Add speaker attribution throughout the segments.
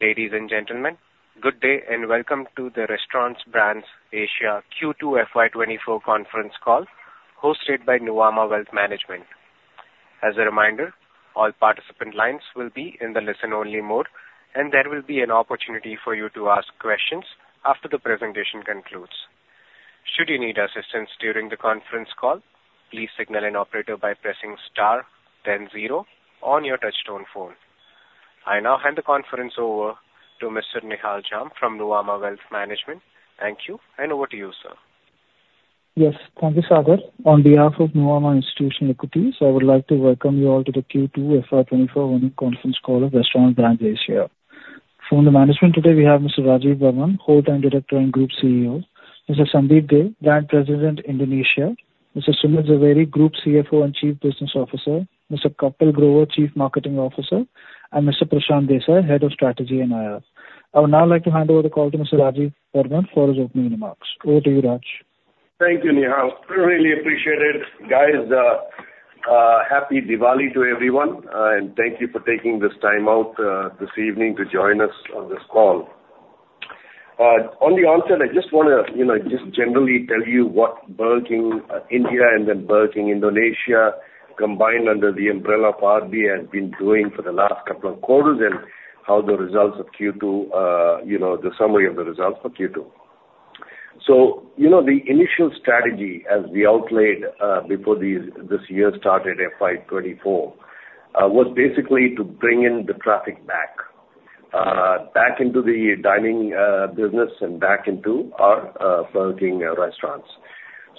Speaker 1: Ladies and gentlemen, good day, and welcome to the Restaurant Brands Asia Q2 FY24 Conference Call, hosted by Nuvama Wealth Management. As a reminder, all participant lines will be in the listen-only mode, and there will be an opportunity for you to ask questions after the presentation concludes. Should you need assistance during the conference call, please signal an operator by pressing star ten zero on your touchtone phone. I now hand the conference over to Mr. Nihal Jham from Nuvama Wealth Management. Thank you, and over to you, sir.
Speaker 2: Yes, thank you, Sagar. On behalf of Nuvama Institutional Equities, I would like to welcome you all to the Q2 FY 2024 annual conference call of Restaurant Brands Asia. From the management today, we have Mr. Rajeev Varman, Whole Time Director and Group CEO; Mr. Sandeep Dey, Brand President, Indonesia; Mr. Sumit Zaveri, Group CFO and Chief Business Officer; Mr. Kapil Grover, Chief Marketing Officer; and Mr. Prashant Desai, Head of Strategy and IR. I would now like to hand over the call to Mr. Rajeev Varman for his opening remarks. Over to you, Raj.
Speaker 3: Thank you, Nihal. Really appreciate it. Guys, Happy Diwali to everyone, and thank you for taking this time out, this evening to join us on this call. On the onset, I just wanna, you know, just generally tell you what Burger King India and then Burger King Indonesia, combined under the umbrella of RB, has been doing for the last couple of quarters and how the results of Q2, you know, the summary of the results for Q2. So, you know, the initial strategy as we outlaid, before this year started, FY 2024, was basically to bring in the traffic back, back into the dining, business and back into our, Burger King restaurants.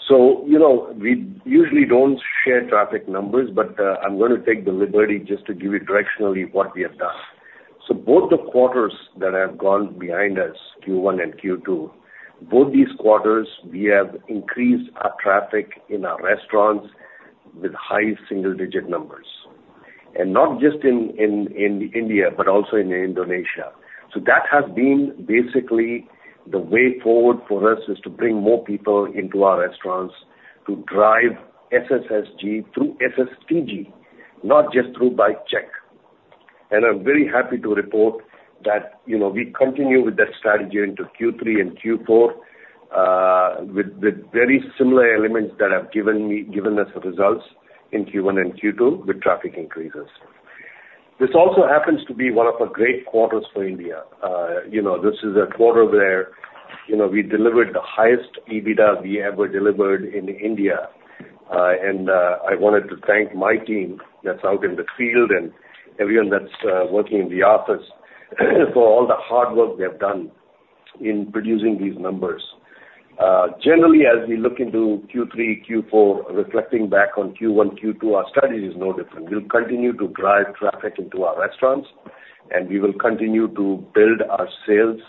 Speaker 3: So, you know, we usually don't share traffic numbers, but, I'm gonna take the liberty just to give you directionally what we have done. So both the quarters that have gone behind us, Q1 and Q2, both these quarters, we have increased our traffic in our restaurants with high single-digit numbers, and not just in India, but also in Indonesia. So that has been basically the way forward for us, is to bring more people into our restaurants to drive SSSG through SSTG, not just through bike check. And I'm very happy to report that, you know, we continue with that strategy into Q3 and Q4, with very similar elements that have given us the results in Q1 and Q2 with traffic increases. This also happens to be one of the great quarters for India. You know, this is a quarter where, you know, we delivered the highest EBITDA we ever delivered in India. I wanted to thank my team that's out in the field and everyone that's working in the office for all the hard work they have done in producing these numbers. Generally, as we look into Q3, Q4, reflecting back on Q1, Q2, our strategy is no different. We'll continue to drive traffic into our restaurants, and we will continue to build our sales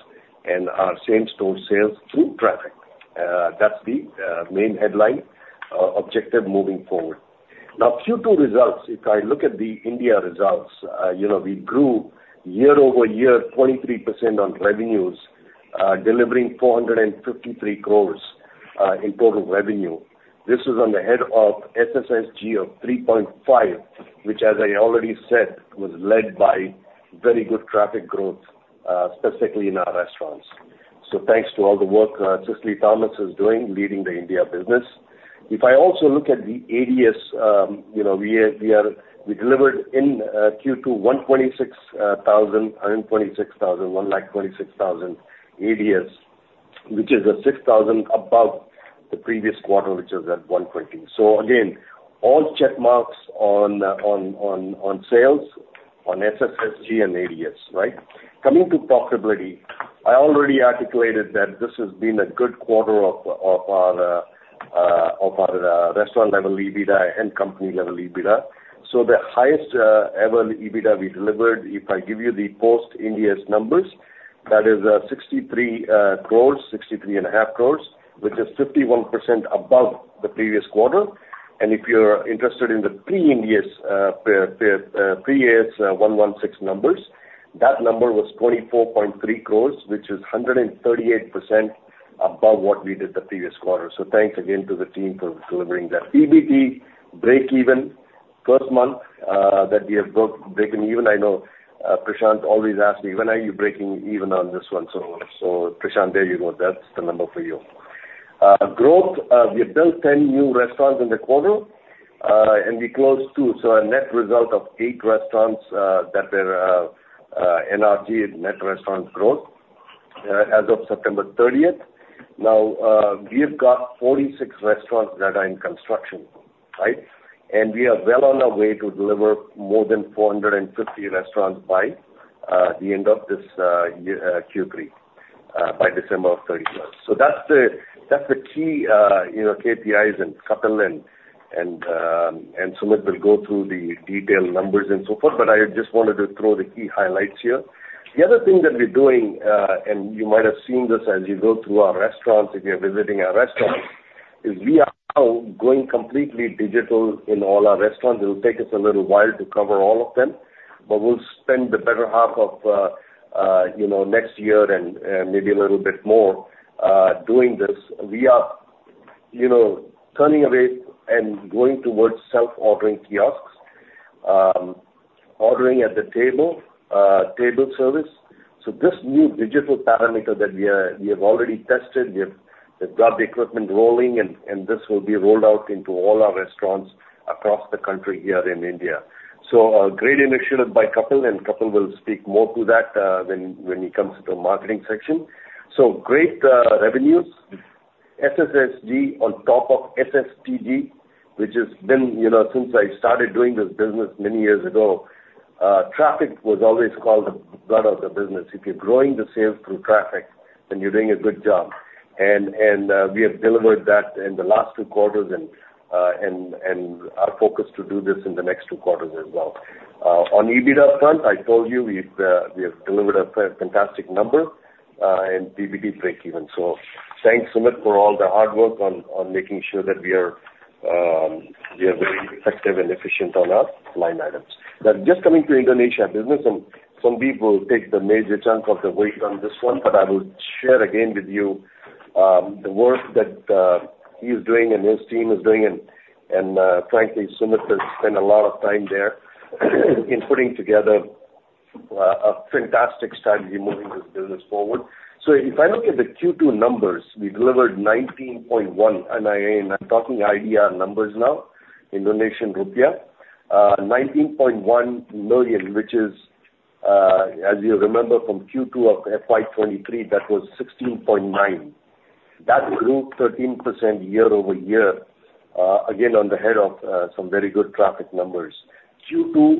Speaker 3: and our same-store sales through traffic. That's the main headline objective moving forward. Now, Q2 results, if I look at the India results, you know, we grew year-over-year 23% on revenues, delivering 453 crore in total revenue. This is on the back of SSSG of 3.5, which, as I already said, was led by very good traffic growth, specifically in our restaurants. So thanks to all the work, Cicily Thomas is doing, leading the India business. If I also look at the ADS, you know, we are, we are- we delivered in Q2, 126,000 INR ADS, which is 6,000 INR above the previous quarter, which is at 120,000 INR. So again, all check marks on sales, on SSSG and ADS, right? Coming to profitability, I already articulated that this has been a good quarter of our restaurant-level EBITDA and company-level EBITDA. So the highest ever EBITDA we delivered, if I give you the post-Ind AS numbers, that is, 63.5 crores, which is 51% above the previous quarter. And if you're interested in the pre-Ind AS 116 numbers, that number was 24.3 crores, which is 138% above what we did the previous quarter. So thanks again to the team for delivering that. PBT breakeven, first month that we have breakeven. I know Prashant always asks me: "When are you breaking even on this one?" So Prashant, there you go. That's the number for you. Growth, we built 10 new restaurants in the quarter, and we closed two, so a net result of eight restaurants that are NRG, Net Restaurant Growth, as of September thirtieth. Now, we've got 46 restaurants that are in construction, right? We are well on our way to deliver more than 450 restaurants by the end of this year, Q3, by December 31st. So that's the key KPIs, and Kapil and Sumit will go through the detailed numbers and so forth, but I just wanted to throw the key highlights here. The other thing that we're doing, and you might have seen this as you go through our restaurants, if you're visiting our restaurants, is we are now going completely digital in all our restaurants. It'll take us a little while to cover all of them, but we'll spend the better half of next year and maybe a little bit more doing this. We are-... You know, turning away and going towards self-ordering kiosks, ordering at the table, table service. So this new digital parameter that we are, we have already tested, we have, we've got the equipment rolling and, and this will be rolled out into all our restaurants across the country here in India. So a great initiative by Kapil, and Kapil will speak more to that, when, when he comes to the marketing section. So great, revenues. SSSG on top of SSTG, which has been, you know, since I started doing this business many years ago, traffic was always called the blood of the business. If you're growing the sales through traffic, then you're doing a good job. And, and, we have delivered that in the last two quarters, and, and are focused to do this in the next two quarters as well. On EBITDA front, I told you, we've delivered a fantastic number, and PBT breakeven. So thanks, Sumit, for all the hard work on making sure that we are very effective and efficient on our line items. Now, just coming to Indonesia business, and Sandeep will take the major chunk of the weight on this one, but I will share again with you, the work that he's doing and his team is doing. And frankly, Sumit has spent a lot of time there in putting together a fantastic strategy moving this business forward. So if I look at the Q2 numbers, we delivered 19.1 NIA, and I'm talking IDR numbers now, Indonesian rupiah. 19.1 million, which is, as you remember, from Q2 of FY 2023, that was 16.9. That grew 13% year-over-year, again, on the head of some very good traffic numbers. Q2,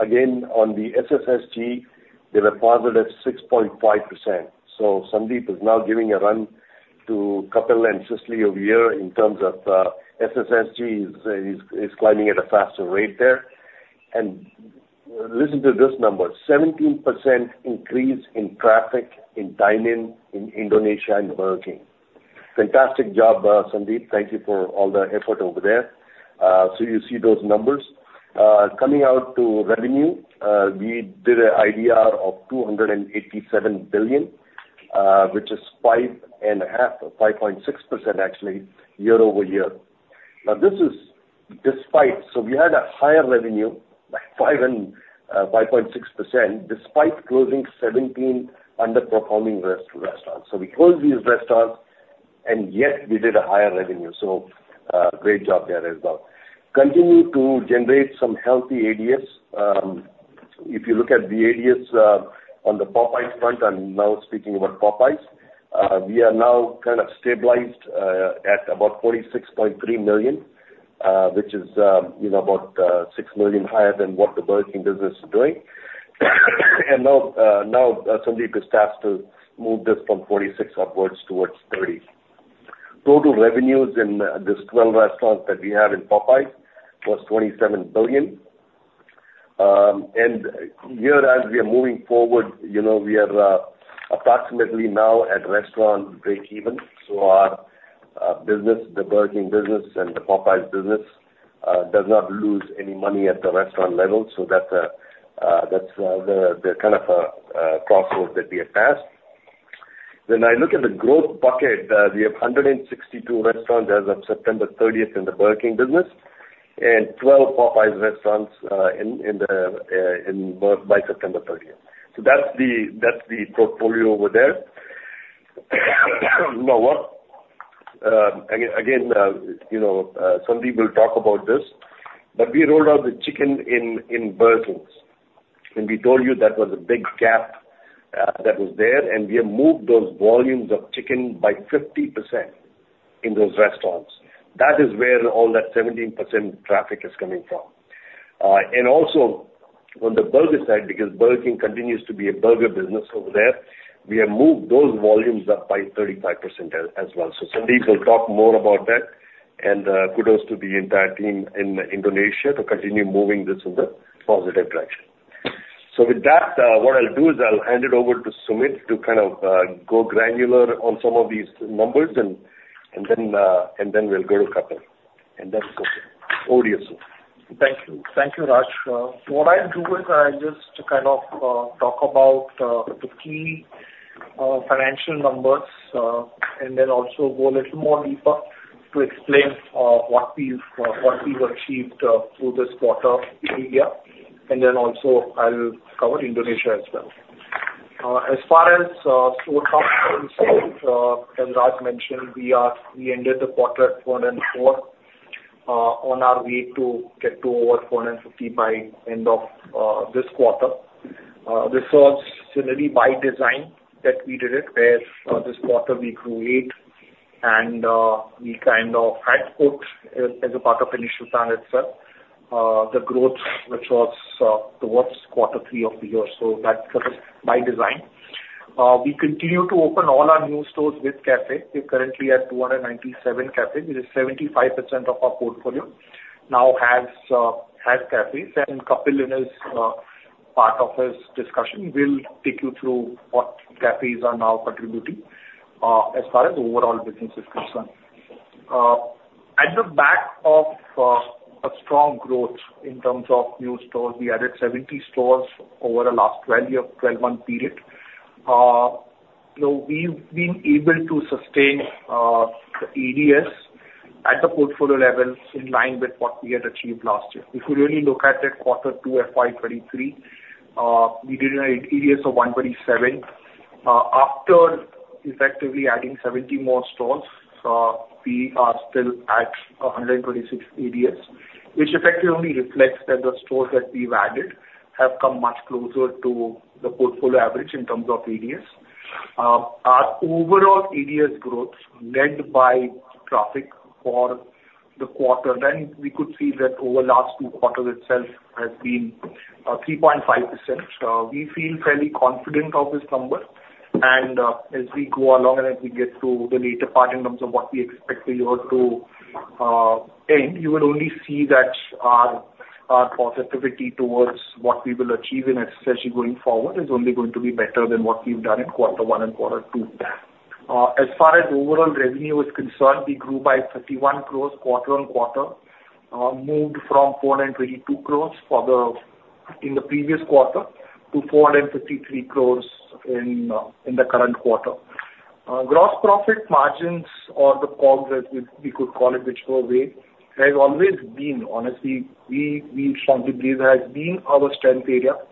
Speaker 3: again, on the SSSG, they were positive 6.5%. So Sandeep is now giving a run to Kapil and Cicily over here in terms of SSSG. He's climbing at a faster rate there. And listen to this number, 17% increase in traffic in dine-in in Indonesia and Burger King. Fantastic job, Sandeep. Thank you for all the effort over there. So you see those numbers. Coming out to revenue, we did 287 billion IDR, which is 5.5%, or 5.6% actually, year-over-year. Now, this is despite... So we had a higher revenue, like 5% and, 5.6%, despite closing 17 underperforming restaurants. So we closed these restaurants, and yet we did a higher revenue. So, great job there as well. Continue to generate some healthy ADS. If you look at the ADS, on the Popeyes front, I'm now speaking about Popeyes. We are now kind of stabilized, at about 46.3 million, which is, you know, about, 6 million higher than what the Burger King business is doing. And now, now, Sandeep is tasked to move this from forty-six upwards towards thirty. Total revenues in, these 12 restaurants that we have in Popeyes was 27 billion. And here, as we are moving forward, you know, we are, approximately now at restaurant breakeven. So our, business, the Burger King business and the Popeyes business, does not lose any money at the restaurant level. So that's the kind of crossroad that we have passed. When I look at the growth bucket, we have 162 restaurants as of September thirtieth in the Burger King business, and 12 Popeyes restaurants in by September thirtieth. So that's the portfolio over there. Now, again, you know, Sandeep will talk about this, but we rolled out the chicken in Burger Kings, and we told you that was a big gap that was there, and we have moved those volumes of chicken by 50% in those restaurants. That is where all that 17% traffic is coming from. And also on the burger side, because Burger King continues to be a burger business over there, we have moved those volumes up by 35% as well. So Sandeep will talk more about that, and kudos to the entire team in Indonesia to continue moving this in a positive direction. So with that, what I'll do is I'll hand it over to Sumit to kind of go granular on some of these numbers, and then we'll go to Kapil. And that's okay. Over to you, Sumit.
Speaker 4: Thank you. Thank you, Raj. So what I'll do is I'll just kind of talk about the key financial numbers, and then also go a little more deeper to explain what we've what we've achieved through this quarter in India, and then also I'll cover Indonesia as well. As far as store counts, as Raj mentioned, we ended the quarter at 404, on our way to get to over 450 by end of this quarter. This was really by design that we did it, where this quarter we grew eight, and we kind of had put as a part of initial plan itself, the growth which was towards quarter three of the year. So that was by design. We continue to open all our new stores with cafe. We're currently at 297 cafes. It is 75% of our portfolio now has cafes. And Kapil, in his part of his discussion, will take you through what cafes are now contributing as far as overall business is concerned. At the back of strong growth in terms of new stores. We added 70 stores over the last 12-month period. You know, we've been able to sustain the ADS at the portfolio levels in line with what we had achieved last year. If you really look at that quarter two FY 2023, we did an ADS of 137. After effectively adding 70 more stores, we are still at 126 ADS, which effectively reflects that the stores that we've added have come much closer to the portfolio average in terms of ADS. Our overall ADS growth, led by traffic for the quarter, then we could see that over last two quarters itself has been 3.5%. We feel fairly confident of this number, and as we go along and as we get to the later part in terms of what we expect the year to end, you will only see that our positivity towards what we will achieve in especially going forward is only going to be better than what we've done in quarter one and quarter two. As far as overall revenue is concerned, we grew by 31 crore quarter-on-quarter. Moved from 422 crore in the previous quarter to 453 crore in the current quarter. Gross profit margins or the COGS, as we could call it, whichever way, has always been, honestly, we strongly believe, our strength area. If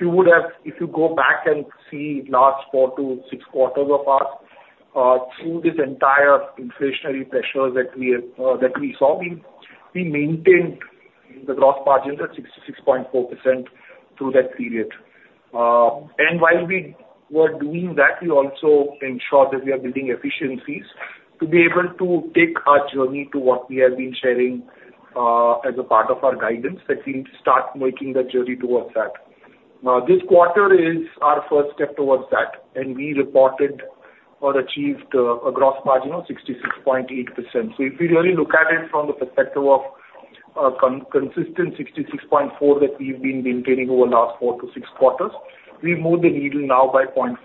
Speaker 4: you would have, if you go back and see last 4-6 quarters of ours, through this entire inflationary pressures that we have that we saw, we maintained the gross margins at 66.4% through that period. And while we were doing that, we also ensured that we are building efficiencies to be able to take our journey to what we have been sharing, as a part of our guidance, that we need to start making that journey towards that. This quarter is our first step towards that, and we reported or achieved a gross margin of 66.8%. So if you really look at it from the perspective of consistent 66.4 that we've been maintaining over the last 4-6 quarters, we moved the needle now by 0.4%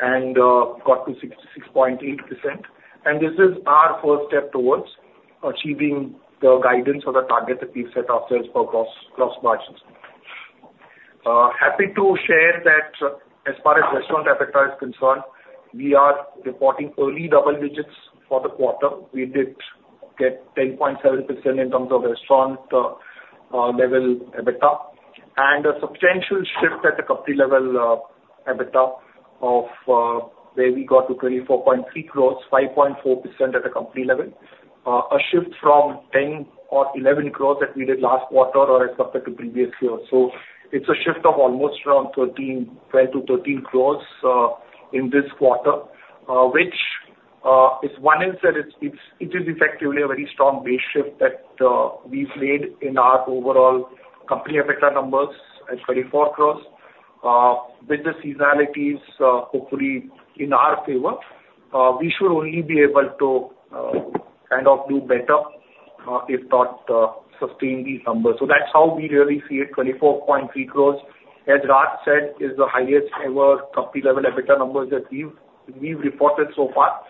Speaker 4: and got to 66.8%. And this is our first step towards achieving the guidance or the target that we've set ourselves for gross, gross margins. Happy to share that, as far as restaurant EBITDA is concerned, we are reporting early double digits for the quarter. We did get 10.7% in terms of restaurant level EBITDA, and a substantial shift at the company level EBITDA of where we got to 24.3 crores, 5.4% at a company level. A shift from 10 or 11 crores that we did last quarter or as compared to previous years. So it's a shift of almost around 13, 12 crores-13 crores in this quarter, which is that it's, it is effectively a very strong base shift that we've made in our overall company EBITDA numbers at 24 crores. With the seasonalities, hopefully in our favor, we should only be able to kind of do better, if not, sustain these numbers. So that's how we really see it. 24.3 crores, as Raj said, is the highest ever company level EBITDA numbers that we've reported so far.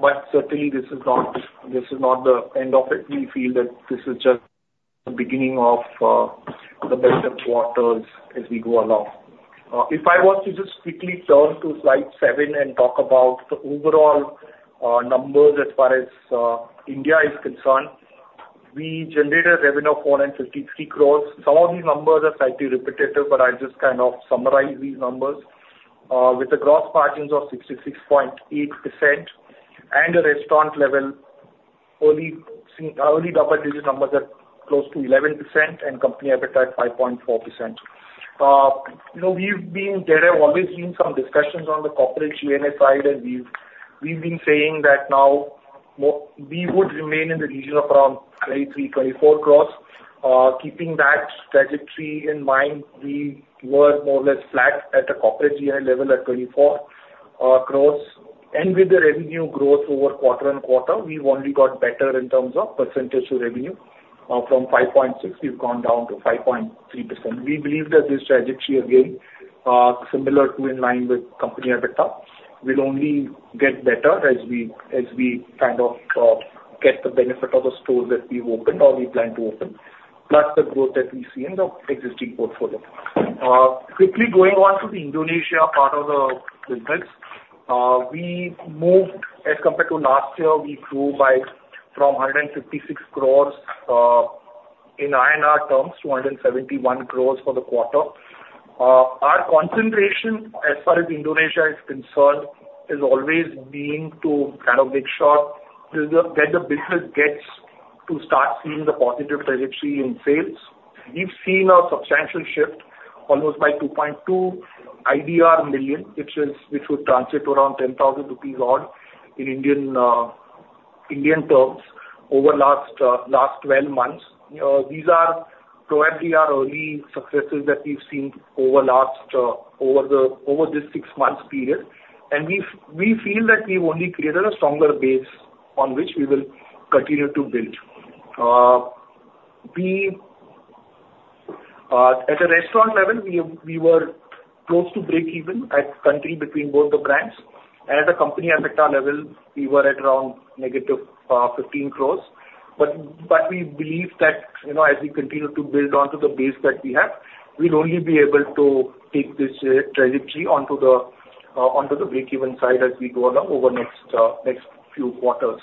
Speaker 4: But certainly this is not, this is not the end of it. We feel that this is just the beginning of the better quarters as we go along. If I were to just quickly turn to slide seven and talk about the overall numbers as far as India is concerned, we generated revenue of 453 crores. Some of these numbers are slightly repetitive, but I'll just kind of summarize these numbers. With the gross margins of 66.8% and a restaurant level only single early double-digit numbers at close to 11% and company EBITDA at 5.4%. You know, there have always been some discussions on the corporate G&A side, and we've been saying that now we would remain in the region of around 23 crore-24 crore. Keeping that trajectory in mind, we were more or less flat at the corporate G&A level at 24 crore. With the revenue growth over quarter-on-quarter, we've only got better in terms of percentage of revenue. From 5.6, we've gone down to 5.3%. We believe that this trajectory, again, similar to in line with company EBITDA, will only get better as we kind of get the benefit of the stores that we've opened or we plan to open, plus the growth that we see in the existing portfolio. Quickly going on to the Indonesia part of the business. We moved, as compared to last year, we grew by from 156 crore INR, in INR terms, to 171 crore for the quarter. Our concentration as far as Indonesia is concerned, has always been to kind of make sure that the business gets to start seeing the positive trajectory in sales. We've seen a substantial shift almost by 2.2 IDR million, which would translate to around 10,000 rupees odd in Indian terms over last 12 months. These are probably our early successes that we've seen over this six months period. And we feel that we've only created a stronger base on which we will continue to build. We... At a restaurant level, we, we were close to breakeven at country between both the brands, and at a company EBITDA level, we were at around negative 15 crore. But, but we believe that, you know, as we continue to build onto the base that we have, we'll only be able to take this trajectory onto the breakeven side as we go along over next, next few quarters.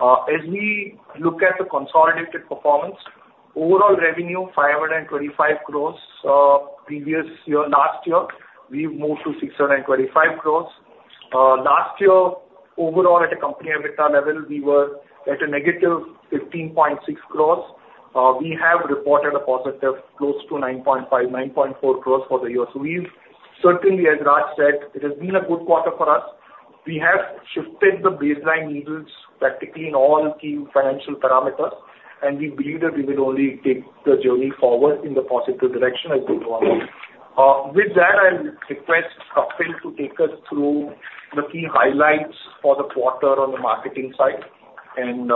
Speaker 4: As we look at the consolidated performance, overall revenue 525 crore previous year, last year, we've moved to 625 crore. Last year, overall, at a company EBITDA level, we were at a negative 15.6 crore. We have reported a positive close to 9.5, 9.4 crore for the year. So we've certainly, as Raj said, it has been a good quarter for us. We have shifted the baseline needles practically in all key financial parameters, and we believe that we will only take the journey forward in the positive direction as we go on. With that, I'll request Kapil to take us through the key highlights for the quarter on the marketing side and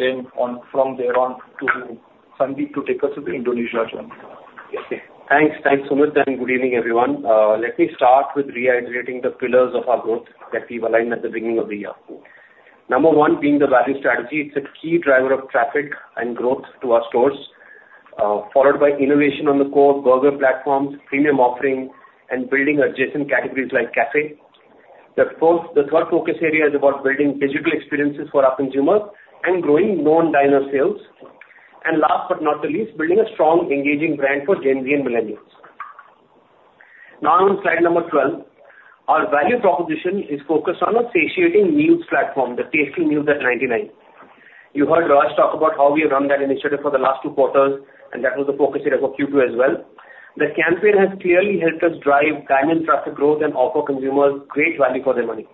Speaker 4: then on, from there on to Sandeep to take us through the Indonesia journey.
Speaker 5: Thanks. Thanks, Sumit, and good evening, everyone. Let me start with reiterating the pillars of our growth that we've aligned at the beginning of the year. Number one being the value strategy. It's a key driver of traffic and growth to our stores, followed by innovation on the core burger platforms, premium offerings, and building adjacent categories like cafe. The fourth-- The third focus area is about building digital experiences for our consumers and growing non-diner sales. And last but not the least, building a strong engaging brand for Gen Z and millennials. Now on slide number 12, our value proposition is focused on a satiating meals platform, the Tasty Meals at 99. You heard Raj talk about how we have run that initiative for the last two quarters, and that was the focus area for Q2 as well. The campaign has clearly helped us drive dine-in traffic growth and offer consumers great value for their money.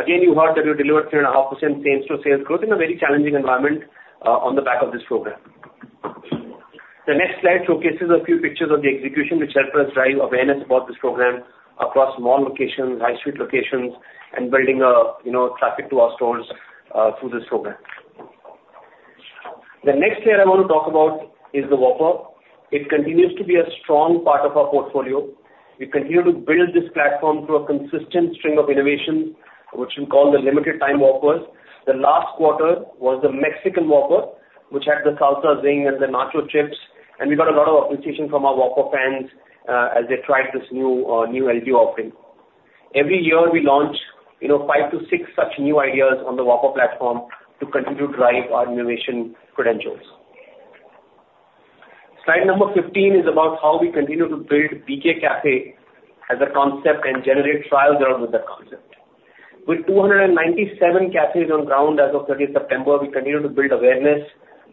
Speaker 5: Again, you heard that we delivered 3.5% same-store sales growth in a very challenging environment, on the back of this program. The next slide showcases a few pictures of the execution, which helped us drive awareness about this program across mall locations, high street locations, and building, you know, traffic to our stores, through this program. The next area I want to talk about is the Whopper. It continues to be a strong part of our portfolio. We continue to build this platform through a consistent string of innovations, which we call the Limited Time Whoppers. The last quarter was the Mexican Whopper, which had the salsa zing and the nacho chips, and we got a lot of appreciation from our Whopper fans, as they tried this new, new LTO offering. Every year, we launch, you know, 5-6 such new ideas on the Whopper platform to continue to drive our innovation credentials. Slide number 15 is about how we continue to build BK Cafe as a concept and generate trial growth with that concept. With 297 cafes on ground as of 30th September, we continue to build awareness,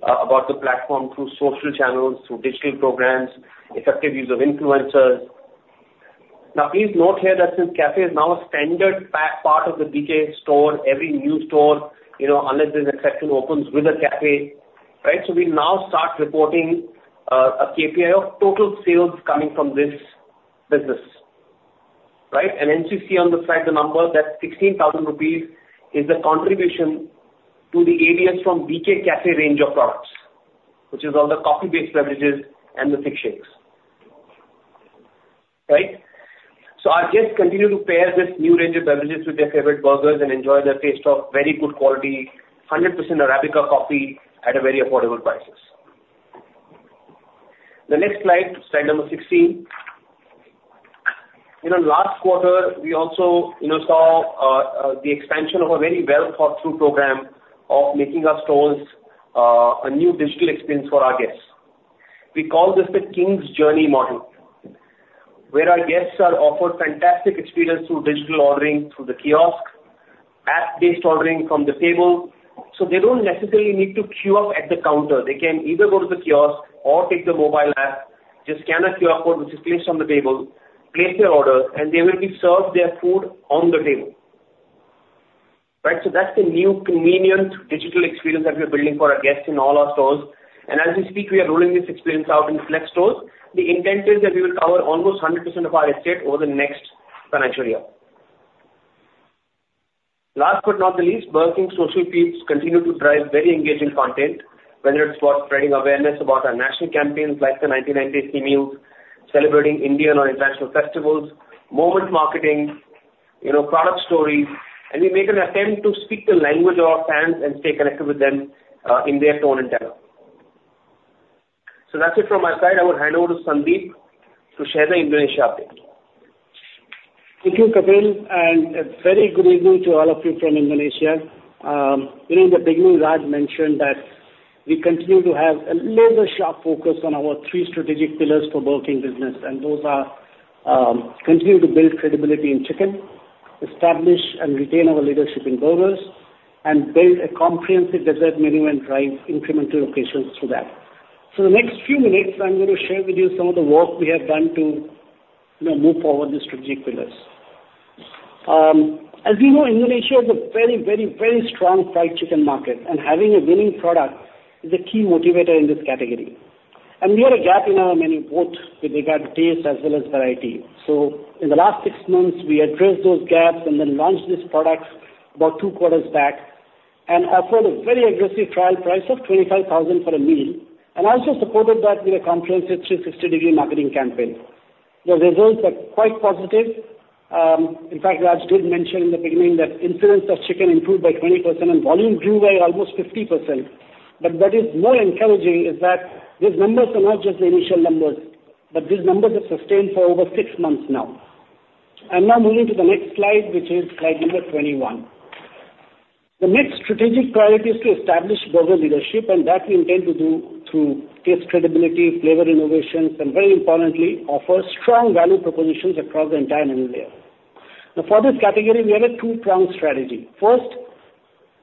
Speaker 5: about the platform through social channels, through digital programs, effective use of influencers. Now, please note here that since cafe is now a standard part of the BK store, every new store, you know, unless there's an exception, opens with a cafe, right? So we now start reporting a KPI of total sales coming from this business, right? And then you see on the side the number, that 16,000 rupees is the contribution to the ADS from BK Cafe range of products, which is all the coffee-based beverages and the thick shakes. Right. So our guests continue to pair this new range of beverages with their favorite burgers and enjoy the taste of very good quality, 100% Arabica coffee at a very affordable prices. The next slide, slide number 16. You know, last quarter, we also, you know, saw the expansion of a very well-thought-through program of making our stores a new digital experience for our guests. We call this the King's Journey model, where our guests are offered fantastic experience through digital ordering, through the kiosk, app-based ordering from the table, so they don't necessarily need to queue up at the counter. They can either go to the kiosk or take the mobile app, just scan a QR code, which is placed on the table, place their order, and they will be served their food on the table, right? So that's the new convenient digital experience that we're building for our guests in all our stores. And as we speak, we are rolling this experience out in select stores. The intent is that we will cover almost 100% of our estate over the next financial year. Last but not the least, Burger King social feeds continue to drive very engaging content, whether it's for spreading awareness about our national campaigns like the 99 Tasty Meals, celebrating Indian or international festivals, moment marketing, you know, product stories, and we make an attempt to speak the language of our fans and stay connected with them in their tone and tenor. So that's it from my side. I will hand over to Sandeep to share the Indonesia update.
Speaker 6: Thank you, Kapil, and a very good evening to all of you from Indonesia. You know, in the beginning, Raj mentioned that we continue to have a laser-sharp focus on our three strategic pillars for Burger King business, and those are, continue to build credibility in chicken, establish and retain our leadership in burgers, and build a comprehensive dessert menu and drive incremental locations through that. So the next few minutes, I'm going to share with you some of the work we have done to, you know, move forward these strategic pillars. As we know, Indonesia is a very, very, very strong fried chicken market, and having a winning product is a key motivator in this category, and we had a gap in our menu both with regard to taste as well as variety. In the last six months, we addressed those gaps and then launched this product about two quarters back.... and offered a very aggressive trial price of 25,000 for a meal, and also supported that with a comprehensive 360-degree marketing campaign. The results are quite positive. In fact, Raj did mention in the beginning that incidence of chicken improved by 20% and volume grew by almost 50%. But what is more encouraging is that these numbers are not just the initial numbers, but these numbers have sustained for over six months now. I'm now moving to the next slide, which is slide number 21. The next strategic priority is to establish burger leadership, and that we intend to do through taste credibility, flavor innovations, and very importantly, offer strong value propositions across the entire menu layer. Now, for this category, we have a two-pronged strategy.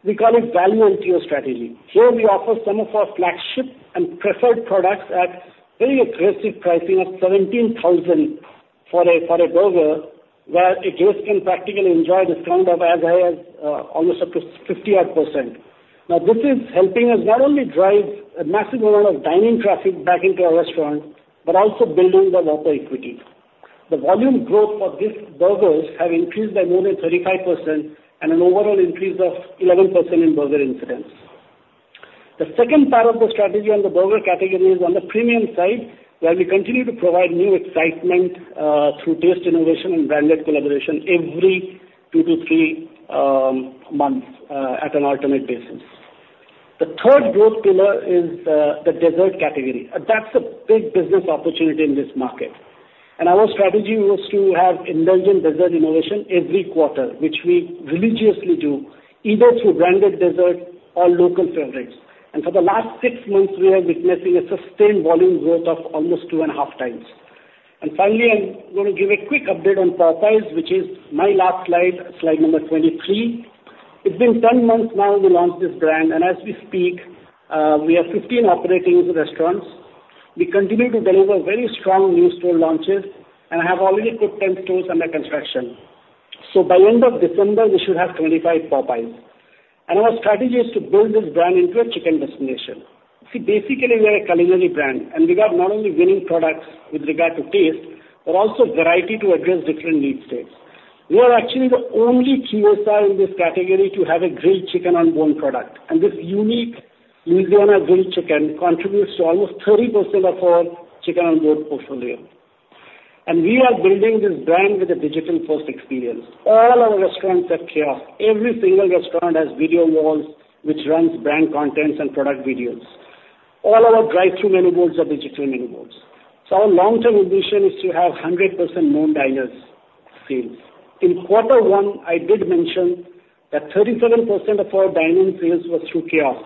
Speaker 6: First, we call it value NTO strategy. Here, we offer some of our flagship and preferred products at very aggressive pricing of 17,000 for a burger, where a guest can practically enjoy a discount of as high as almost up to 50%. Now, this is helping us not only drive a massive amount of dine-in traffic back into our restaurant, but also building the local equity. The volume growth of these burgers have increased by more than 35% and an overall increase of 11% in burger incidence. The second part of the strategy on the burger category is on the premium side, where we continue to provide new excitement through taste innovation and branded collaboration every 2-3 months at an alternate basis. The third growth pillar is the dessert category. That's a big business opportunity in this market. Our strategy was to have indulgent dessert innovation every quarter, which we religiously do, either through branded dessert or local favorites. For the last six months, we are witnessing a sustained volume growth of almost 2.5x. Finally, I'm going to give a quick update on Popeyes, which is my last slide, slide number 23. It's been 10 months now we launched this brand, and as we speak, we have 15 operating restaurants. We continue to deliver very strong new store launches, and I have already put 10 stores under construction. So by end of December, we should have 25 Popeyes. Our strategy is to build this brand into a chicken destination. See, basically, we are a culinary brand, and we got not only winning products with regard to taste, but also variety to address different need states. We are actually the only QSR in this category to have a grilled chicken on bone product, and this unique Louisiana Grilled Chicken contributes to almost 30% of our chicken on bone portfolio. We are building this brand with a digital-first experience. All our restaurants are kiosk. Every single restaurant has video walls, which runs brand contents and product videos. All our drive-through menu boards are digital menu boards. Our long-term ambition is to have 100% more diners sales. In quarter one, I did mention that 37% of our dine-in sales was through kiosk,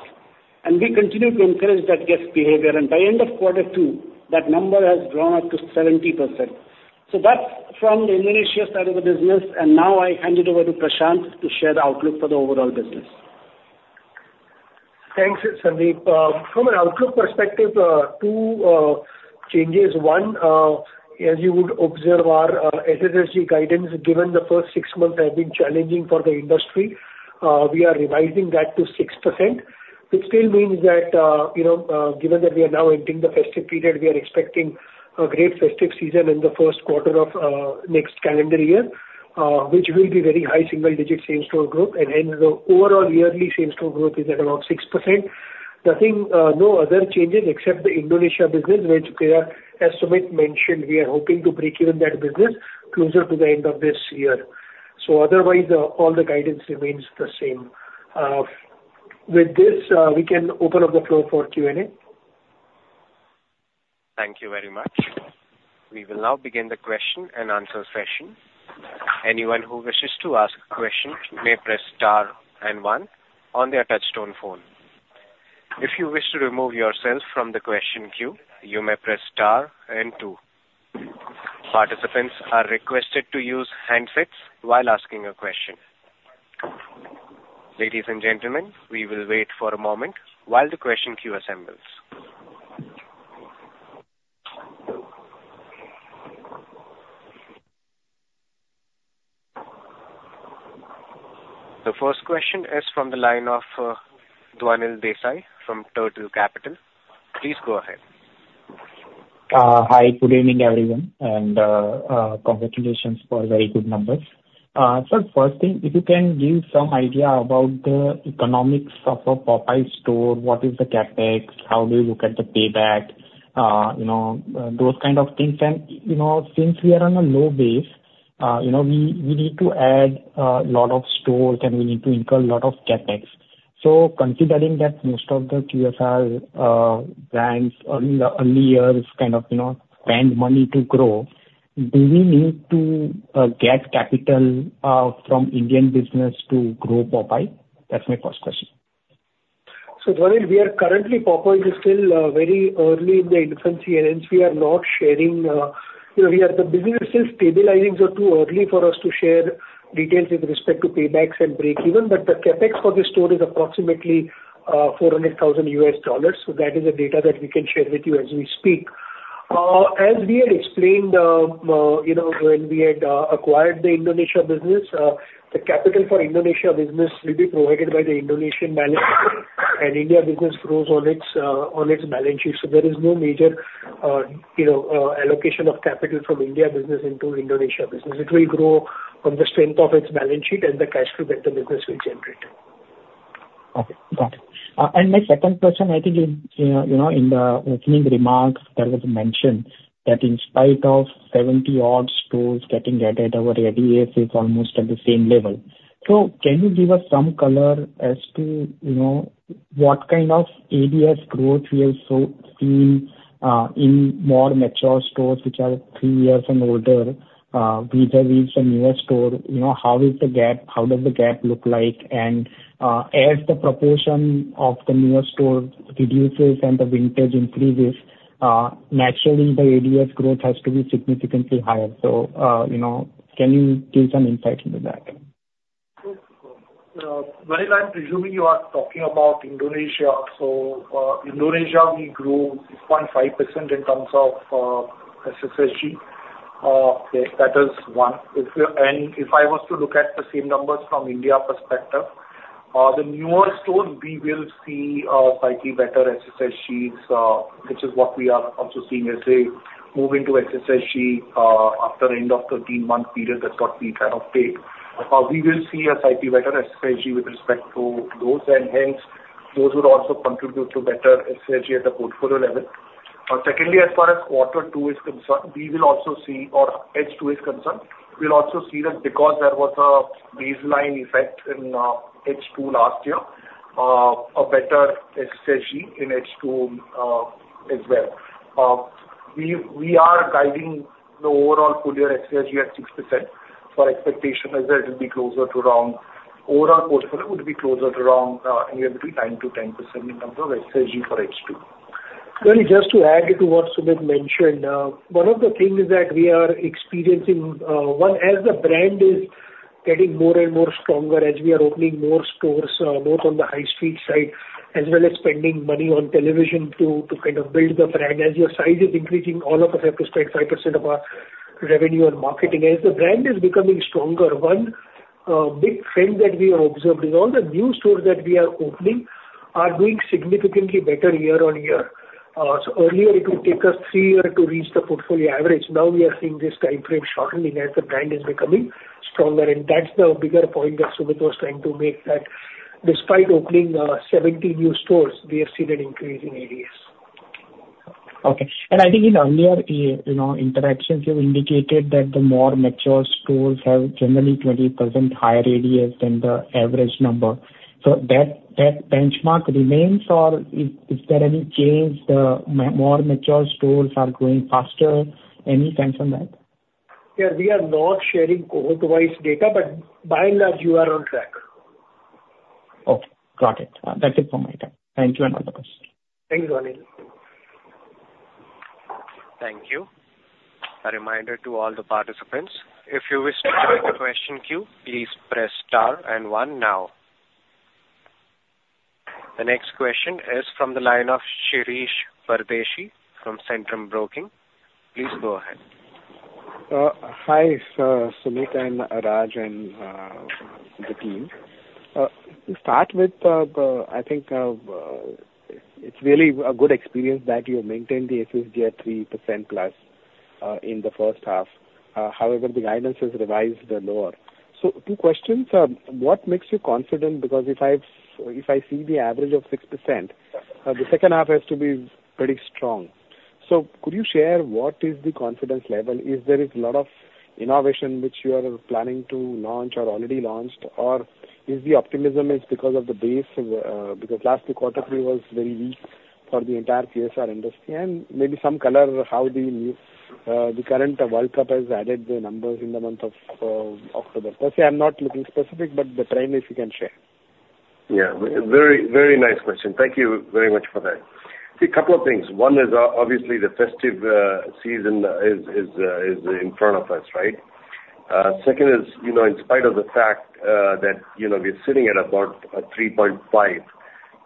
Speaker 6: and we continue to encourage that guest behavior, and by end of quarter two, that number has grown up to 70%. That's from the Indonesia side of the business, and now I hand it over to Prashant to share the outlook for the overall business.
Speaker 7: Thanks, Sandeep. From an outlook perspective, two changes. One, as you would observe, our SSG guidance given the first six months have been challenging for the industry. We are revising that to 6%, which still means that, you know, given that we are now entering the festive period, we are expecting a great festive season in the first quarter of next calendar year, which will be very high single-digit same-store growth, and hence the overall yearly same-store growth is at around 6%. Nothing, no other changes except the Indonesia business, which, as Sumit mentioned, we are hoping to break even that business closer to the end of this year. So otherwise, all the guidance remains the same. With this, we can open up the floor for Q&A.
Speaker 1: Thank you very much. We will now begin the question and answer session. Anyone who wishes to ask a question may press star and one on their touchtone phone. If you wish to remove yourself from the question queue, you may press star and two. Participants are requested to use handsets while asking a question. Ladies and gentlemen, we will wait for a moment while the question queue assembles. The first question is from the line of Dhwanil Desai from Turtle Capital. Please go ahead.
Speaker 8: Hi, good evening, everyone, and congratulations for very good numbers. So first thing, if you can give some idea about the economics of a Popeyes store, what is the CapEx? How do you look at the payback? You know, those kind of things. And, you know, since we are on a low base, you know, we need to add a lot of stores, and we need to incur a lot of CapEx. So considering that most of the QSR brands on the early years kind of, you know, spend money to grow, do we need to get capital from Indian business to grow Popeyes? That's my first question.
Speaker 7: So Dwanil, we are currently, Popeyes is still very early in the infancy, and hence we are not sharing, you know, the business is still stabilizing, so too early for us to share details with respect to paybacks and breakeven. But the CapEx for the store is approximately $400,000. So that is the data that we can share with you as we speak. As we had explained, you know, when we had acquired the Indonesia business, the capital for Indonesia business will be provided by the Indonesian management. India business grows on its balance sheet, so there is no major, you know, allocation of capital from India business into Indonesia business. It will grow from the strength of its balance sheet and the cash flow that the business will generate.
Speaker 8: Okay, got it. And my second question I think is, you know, you know, in the opening remarks, there was a mention that in spite of 70-odd stores getting added, our ADS is almost at the same level. So can you give us some color as to, you know, what kind of ADS growth we have so seen, in more mature stores, which are three years and older, vis-a-vis the newer store? You know, how is the gap? How does the gap look like? And, as the proportion of the newer store reduces and the vintage increases, naturally, the ADS growth has to be significantly higher. So, you know, can you give some insight into that?
Speaker 4: So, Anil, I'm presuming you are talking about Indonesia. So, Indonesia, we grew 0.5% in terms of SSSG. That is one. And if I was to look at the same numbers from India perspective, the newer stores, we will see slightly better SSSGs, which is what we are also seeing as they move into SSSG after end of 13-month period that we kind of take. We will see a slightly better SSG with respect to those, and hence, those would also contribute to better SSG at the portfolio level. Secondly, as far as quarter two is concerned, we will also see or H2 is concerned, we'll also see that because there was a baseline effect in H2 last year, a better SSG in H2 as well. We are guiding the overall full year SSG at 6%. Our expectation is that it will be closer to around, overall portfolio would be closer to around, anywhere between 9%-10% in terms of SSG for H2.
Speaker 7: Anil, just to add to what Sumit mentioned, one of the things that we are experiencing, as the brand is getting more and more stronger, as we are opening more stores, both on the high street side as well as spending money on television to kind of build the brand. As your size is increasing, all of us have to spend 5% of our revenue on marketing. As the brand is becoming stronger, one big trend that we have observed is all the new stores that we are opening are doing significantly better year-on-year. So earlier it would take us three years to reach the portfolio average. Now we are seeing this timeframe shortening as the brand is becoming stronger, and that's the bigger point that Sumit was trying to make, that despite opening 70 new stores, we have seen an increase in ADS.
Speaker 8: Okay. And I think in earlier years, you know, interactions, you indicated that the more mature stores have generally 20% higher ADS than the average number. So that, that benchmark remains, or is, is there any change, the more mature stores are growing faster? Any sense on that?
Speaker 7: Yeah, we are not sharing cohort-wise data, but by and large, you are on track.
Speaker 8: Okay, got it. That's it from my end. Thank you, and another question.
Speaker 7: Thanks, Anil.
Speaker 1: Thank you. A reminder to all the participants, if you wish to join the question queue, please press star and one now. The next question is from the line of Shirish Pardeshi from Centrum Broking. Please go ahead.
Speaker 9: Hi, Sumit and Raj and the team. To start with, I think it's really a good experience that you maintained the SSG at 3%+ in the first half. However, the guidance is revised lower. So two questions. What makes you confident? Because if I see the average of 6%, the second half has to be pretty strong. So could you share what is the confidence level? Is there a lot of innovation which you are planning to launch or already launched? Or is the optimism because of the base, because last quarter three was very weak for the entire QSR industry? And maybe some color how the current World Cup has added the numbers in the month of October. Personally, I'm not looking specific, but the trend, if you can share.
Speaker 3: Yeah, very, very nice question. Thank you very much for that. See, a couple of things. One is obviously the festive season is in front of us, right? Second is, you know, in spite of the fact that, you know, we're sitting at about a 3.5%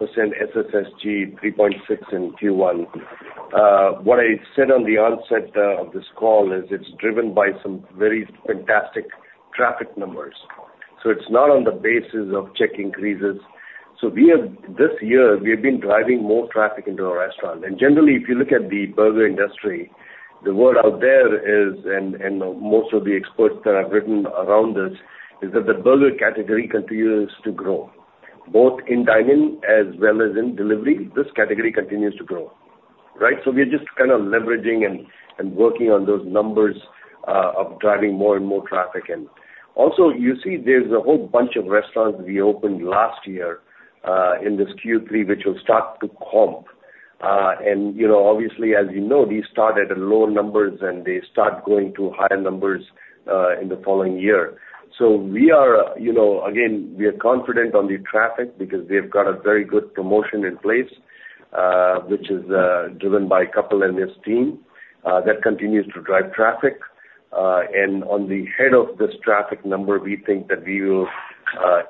Speaker 3: SSSG, 3.6 in Q1, what I said on the onset of this call is it's driven by some very fantastic traffic numbers. So it's not on the basis of check increases. So we have this year, we have been driving more traffic into our restaurant. And generally, if you look at the burger industry, the word out there is, and most of the experts that have written around this, is that the burger category continues to grow, both in dine-in as well as in delivery. This category continues to grow, right? So we're just kind of leveraging and working on those numbers of driving more and more traffic. And also, you see there's a whole bunch of restaurants we opened last year in this Q3, which will start to comp. And you know, obviously, as you know, these start at low numbers, and they start going to higher numbers in the following year. So we are, you know, again, we are confident on the traffic because we've got a very good promotion in place, which is driven by Kapil and his team. That continues to drive traffic, and on the head of this traffic number, we think that we will...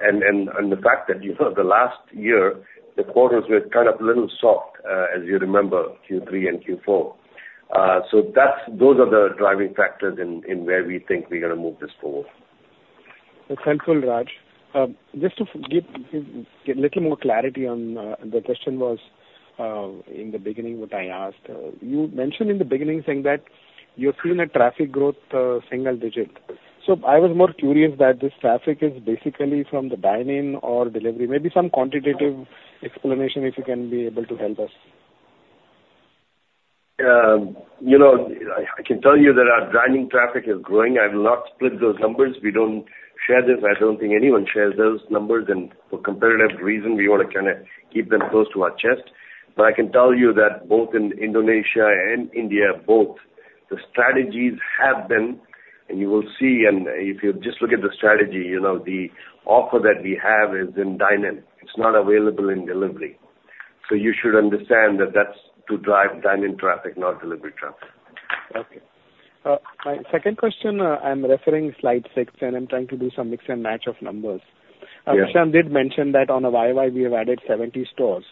Speaker 3: And the fact that, you know, the last year, the quarters were kind of a little soft, as you remember, Q3 and Q4. So that's, those are the driving factors in where we think we're going to move this forward....
Speaker 9: It's central, Raj. Just to give a little more clarity on the question was in the beginning, what I asked, you mentioned in the beginning saying that you're seeing a traffic growth, single digit. So I was more curious that this traffic is basically from the dine-in or delivery, maybe some quantitative explanation, if you can be able to help us.
Speaker 3: You know, I can tell you that our dine-in traffic is growing. I've not split those numbers. We don't share this. I don't think anyone shares those numbers, and for competitive reason, we want to kind of keep them close to our chest. But I can tell you that both in Indonesia and India, both the strategies have been, and you will see, and if you just look at the strategy, you know, the offer that we have is in dine-in. It's not available in delivery. So you should understand that that's to drive dine-in traffic, not delivery traffic.
Speaker 9: Okay. My second question, I'm referring to Slide 6, and I'm trying to do some mix and match of numbers.
Speaker 3: Yeah.
Speaker 9: Prashant did mention that on a YTD we have added 70 stores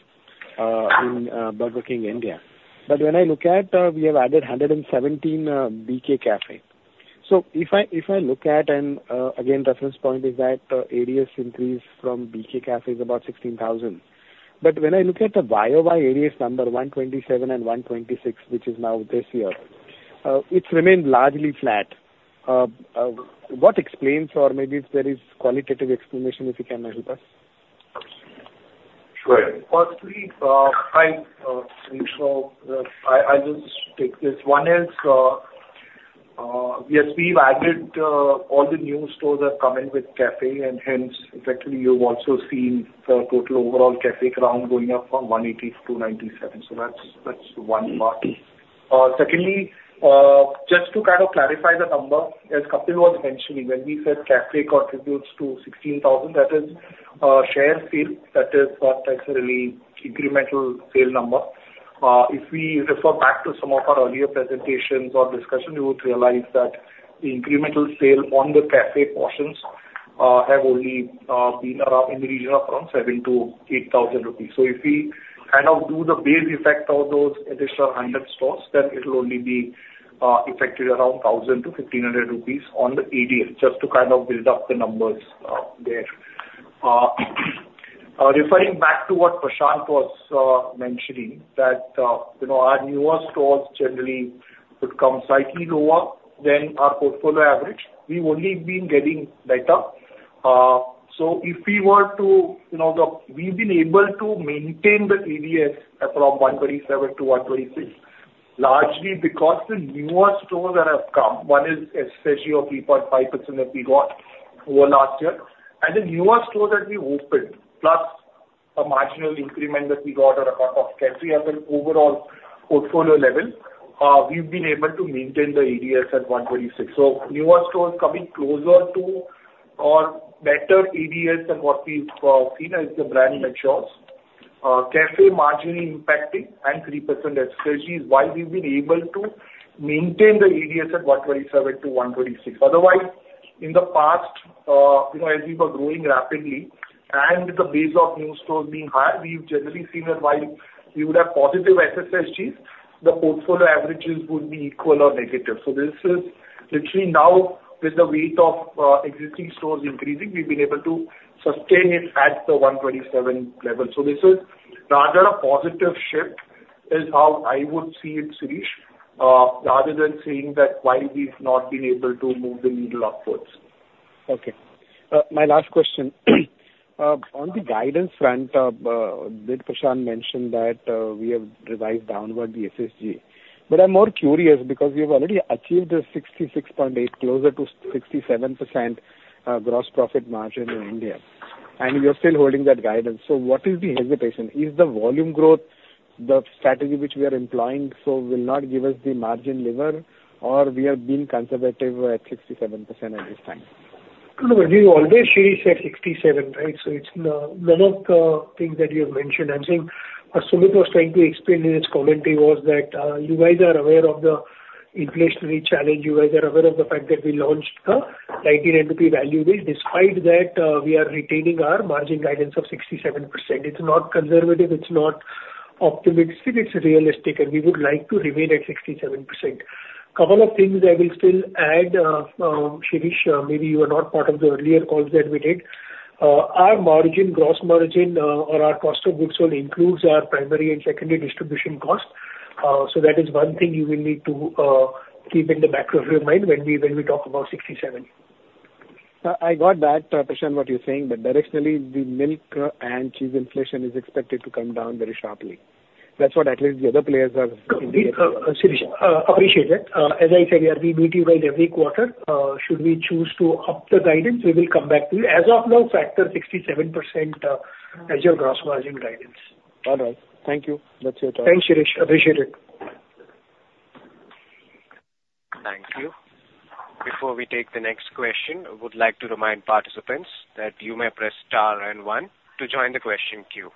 Speaker 9: in Burger King India. But when I look at, we have added 117 BK Cafe. So if I look at, and again, reference point is that ADS increase from BK Cafe is about 16,000. But when I look at the YoY ADS number, 127 and 126, which is now this year, it has remained largely flat. What explains, or maybe if there is qualitative explanation, if you can help us?
Speaker 3: Go ahead.
Speaker 4: Firstly, so I just take this. One is, yes, we've added all the new stores are coming with cafe, and hence, effectively, you've also seen the total overall cafe count going up from 180 to 297. So that's one part. Secondly, just to kind of clarify the number, as Kapil was mentioning, when we said cafe contributes to 16,000, that is a share sale. That is not necessarily incremental sale number. If we refer back to some of our earlier presentations or discussion, you would realize that the incremental sale on the cafe portions have only been around in the region of around 7,000-8,000 rupees. So if we kind of do the base effect of those additional 100 stores, then it'll only be affected around 1,000-1,500 rupees on the ADS, just to kind of build up the numbers there. Referring back to what Prashant was mentioning, that you know, our newer stores generally would come slightly lower than our portfolio average. We've only been getting better. So if we were to, you know, we've been able to maintain the ADS from 127-126, largely because the newer stores that have come, one is SSG of 3.5% that we got over last year, and the newer stores that we opened, plus a marginal increment that we got on account of cafe as an overall portfolio level, we've been able to maintain the ADS at 126. Newer stores coming closer to or better ADS than what we've seen as the brand matures. Cafe margin impacting and 3% SSG is why we've been able to maintain the ADS at 127-126. Otherwise, in the past, you know, as we were growing rapidly and the base of new stores being higher, we've generally seen that while we would have positive SSGs, the portfolio averages would be equal or negative. So this is literally now with the weight of existing stores increasing, we've been able to sustain it at the 127 level. So this is rather a positive shift, is how I would see it, Shirish, rather than saying that why we've not been able to move the needle upwards.
Speaker 9: Okay. My last question. On the guidance front, did Prashant mention that we have revised downward the SSG? But I'm more curious because we have already achieved the 66.8, closer to 67%, gross profit margin in India, and you're still holding that guidance. So what is the hesitation? Is the volume growth, the strategy which we are employing, so will not give us the margin lever, or we are being conservative at 67% at this time?
Speaker 7: No, we always say 67, right? So it's one of the things that you have mentioned. I think what Sumit was trying to explain in his commentary was that you guys are aware of the inflationary challenge. You guys are aware of the fact that we launched a 19 value deal. Despite that, we are retaining our margin guidance of 67%. It's not conservative, it's not optimistic, it's realistic, and we would like to remain at 67%. Couple of things I will still add, Shirish, maybe you were not part of the earlier calls that we did. Our margin, gross margin, or our cost of goods sold includes our primary and secondary distribution cost. So that is one thing you will need to keep in the back of your mind when we talk about 67.
Speaker 9: I got that, Prashant, what you're saying, but directionally, the milk and cheese inflation is expected to come down very sharply. That's what at least the other players are indicating.
Speaker 7: Shirish, appreciate that. As I said, yeah, we meet you guys every quarter. Should we choose to up the guidance, we will come back to you. As of now, factor 67%, as your gross margin guidance.
Speaker 9: All right. Thank you. That's it.
Speaker 7: Thanks, Shirish. Appreciate it.
Speaker 1: Thank you. Before we take the next question, I would like to remind participants that you may press star and one to join the question queue.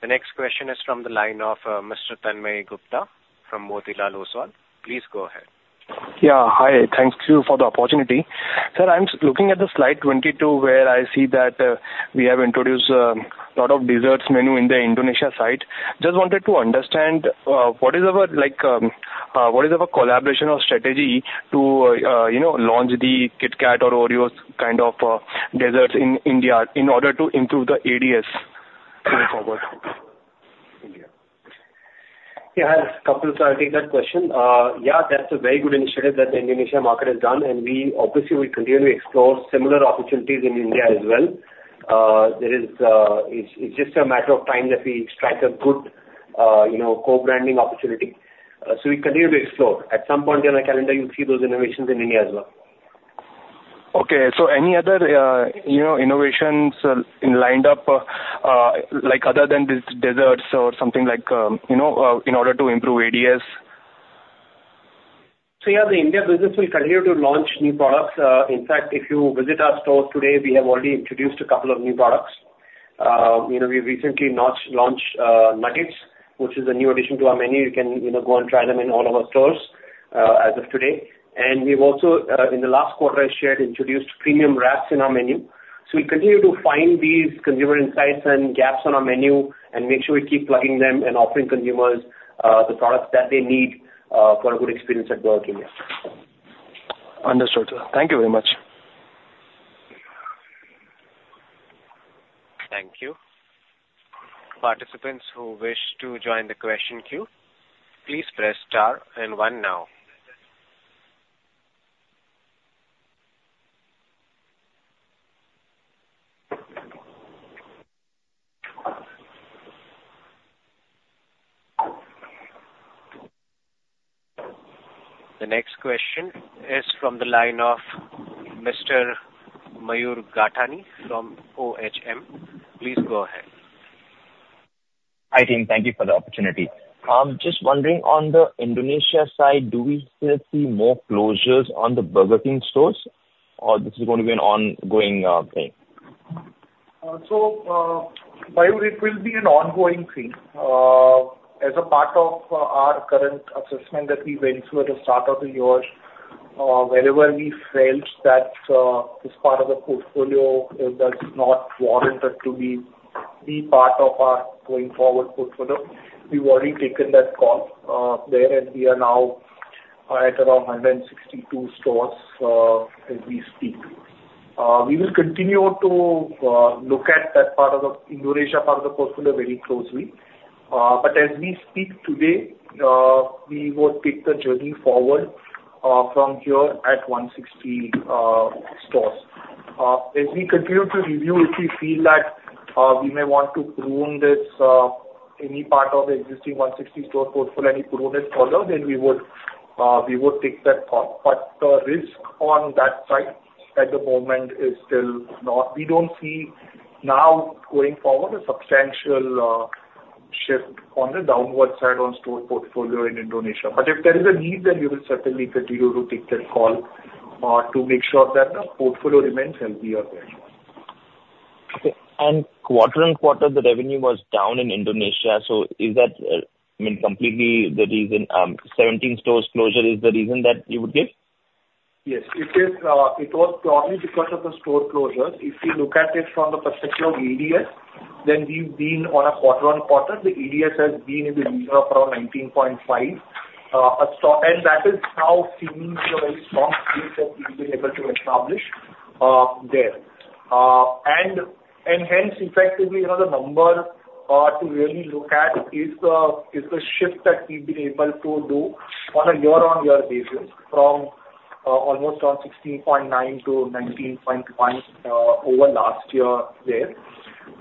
Speaker 1: The next question is from the line of Mr. Tanmay Gupta from Motilal Oswal. Please go ahead.
Speaker 10: Yeah, hi. Thank you for the opportunity. Sir, I'm looking at the slide 22, where I see that we have introduced lot of desserts menu in the Indonesia site. Just wanted to understand what is our, like,... what is our collaboration or strategy to, you know, launch the Kit Kat or Oreos kind of, desserts in India in order to improve the ADS going forward?
Speaker 4: Yeah, Kapil, so I'll take that question. Yeah, that's a very good initiative that the Indonesia market has done, and we obviously will continue to explore similar opportunities in India as well. There is, it's just a matter of time that we strike a good, you know, co-branding opportunity. So we continue to explore. At some point in the calendar, you'll see those innovations in India as well.
Speaker 10: Okay. So any other, you know, innovations lined up, like other than desserts or something like, you know, in order to improve ADS?
Speaker 4: So, yeah, the India business will continue to launch new products. In fact, if you visit our stores today, we have already introduced a couple of new products. You know, we recently launched nuggets, which is a new addition to our menu. You can, you know, go and try them in all of our stores as of today. And we've also in the last quarter, I shared, introduced premium wraps in our menu. So we continue to find these consumer insights and gaps on our menu and make sure we keep plugging them and offering consumers the products that they need for a good experience at Burger King.
Speaker 10: Understood, sir. Thank you very much.
Speaker 1: Thank you. Participants who wish to join the question queue, please press star and one now. The next question is from the line of Mr. Mayur Gathani from OHM. Please go ahead.
Speaker 11: Hi, team. Thank you for the opportunity. Just wondering on the Indonesia side, do we still see more closures on the Burger King stores, or this is going to be an ongoing thing?
Speaker 4: So, Mayur, it will be an ongoing thing. As a part of our current assessment that we went through at the start of the year, wherever we felt that this part of the portfolio, it does not warrant it to be, be part of our going forward portfolio, we've already taken that call there, and we are now at around 162 stores, as we speak to you. We will continue to look at that part of the Indonesia part of the portfolio very closely. But as we speak today, we would take the journey forward from here at 160 stores. As we continue to review, if we feel like, we may want to prune this, any part of the existing 160-store portfolio, any pruning is further, then we would, we would take that call. But the risk on that side at the moment is still not... We don't see now going forward, a substantial, shift on the downward side on store portfolio in Indonesia. But if there is a need, then we will certainly continue to take that call, to make sure that the portfolio remains healthy out there.
Speaker 11: Okay. Quarter-on-quarter, the revenue was down in Indonesia, so is that, I mean, completely the reason, 17 stores closure is the reason that you would give?
Speaker 4: Yes, it is. It was probably because of the store closures. If you look at it from the perspective of ADS, then we've been on a quarter-on-quarter. The ADS has been in the range of around 19.5. And that is how seemingly a very strong base that we've been able to establish there. And hence, effectively, you know, the number to really look at is the shift that we've been able to do on a year-on-year basis from almost from 16.9-19.5 over last year there.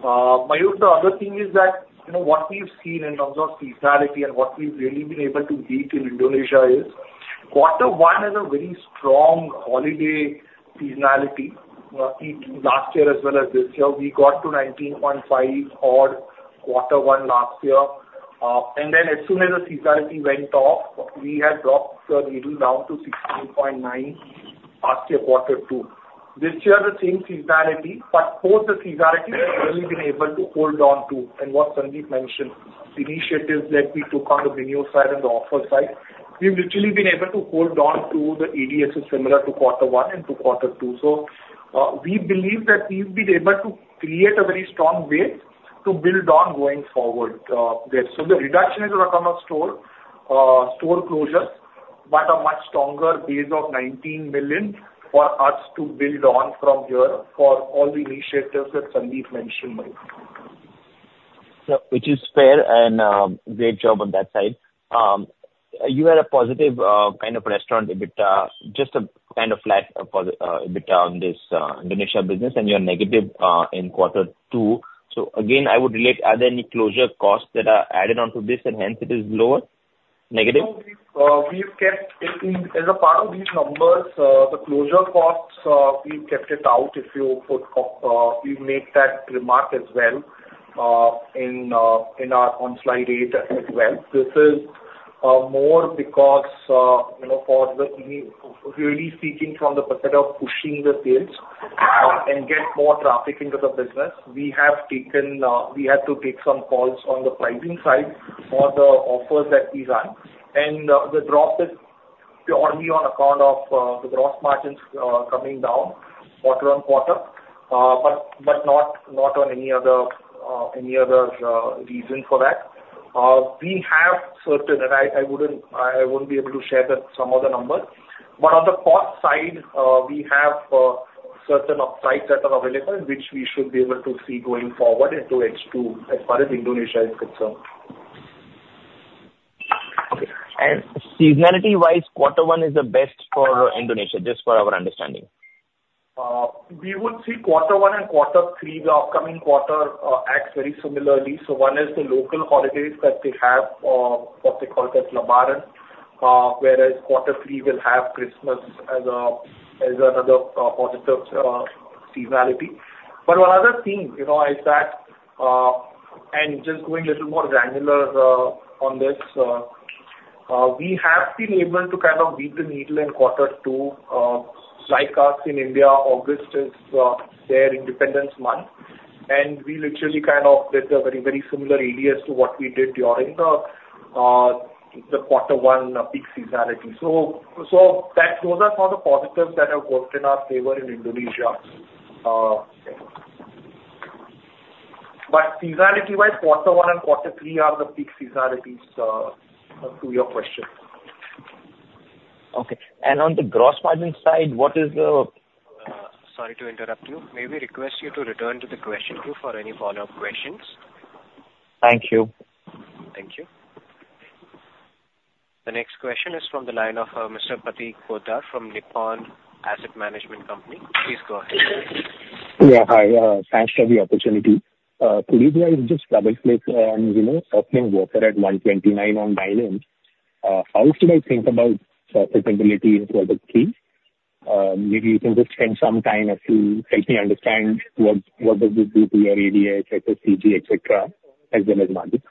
Speaker 4: Mayur, the other thing is that, you know, what we've seen in terms of seasonality and what we've really been able to beat in Indonesia is quarter one is a very strong holiday seasonality last year as well as this year. We got to 19.5 odd quarter one last year. And then as soon as the seasonality went off, we had dropped, maybe down to 16.9 last year, quarter two. This year, the same seasonality, but post the seasonality, we've really been able to hold on to, and what Sandip mentioned, initiatives that we took on the menu side and the offer side, we've literally been able to hold on to the ADS is similar to quarter one and to quarter two. So, we believe that we've been able to create a very strong base to build on going forward, there. So the reduction is around our store, store closures, but a much stronger base of 19 million for us to build on from here for all the initiatives that Sandip mentioned, Mayur.
Speaker 11: Sir, which is fair and, great job on that side. You had a positive, kind of restaurant EBITDA, just a kind of flat, for, EBITDA on this, Indonesia business, and you're negative, in quarter two. So again, I would relate, are there any closure costs that are added on to this and hence it is lower, negative?
Speaker 4: No, we've kept it in. As a part of these numbers, the closure costs, we've kept it out. If you put, we've made that remark as well, in our, on slide eight as well. This is more because, you know, for the really speaking from the perspective of pushing the sales and get more traffic into the business, we have taken, we had to take some calls on the pricing side for the offers that we run. The drop is... purely on account of the gross margins coming down quarter-on-quarter, but not on any other reason for that. We have certain, and I wouldn't be able to share that some of the numbers. On the cost side, we have certain upsides that are available, which we should be able to see going forward into H2, as far as Indonesia is concerned.
Speaker 11: Okay. Seasonality-wise, quarter one is the best for Indonesia, just for our understanding?
Speaker 4: We would see quarter one and quarter three, the upcoming quarter, acts very similarly. So one is the local holidays that they have, what they call it as Lebaran. Whereas quarter three will have Christmas as a, as another, positive, seasonality. But one other thing, you know, is that, and just going a little more granular, on this, we have been able to kind of beat the needle in quarter two. Like us in India, August is, their independence month, and we literally kind of did a very, very similar ADAs to what we did during the, the quarter one peak seasonality. So, so that those are some of the positives that have worked in our favor in Indonesia. But seasonality-wise, quarter one and quarter three are the peak seasonalities, to your question.
Speaker 11: Okay. On the gross margin side, what is the-
Speaker 1: Sorry to interrupt you. May we request you to return to the question queue for any follow-up questions?
Speaker 11: Thank you.
Speaker 1: Thank you. The next question is from the line of, Mr. Pratik Kotak from Nippon Asset Management Company. Please go ahead.
Speaker 12: Yeah, hi. Thanks for the opportunity. Could you guys just double-click on, you know, opening Whopper at 129 on dine-in? How should I think about sustainability in quarter three? Maybe you can just spend some time as to help me understand what does this do to your ADA, SSSG, et cetera, as well as margins?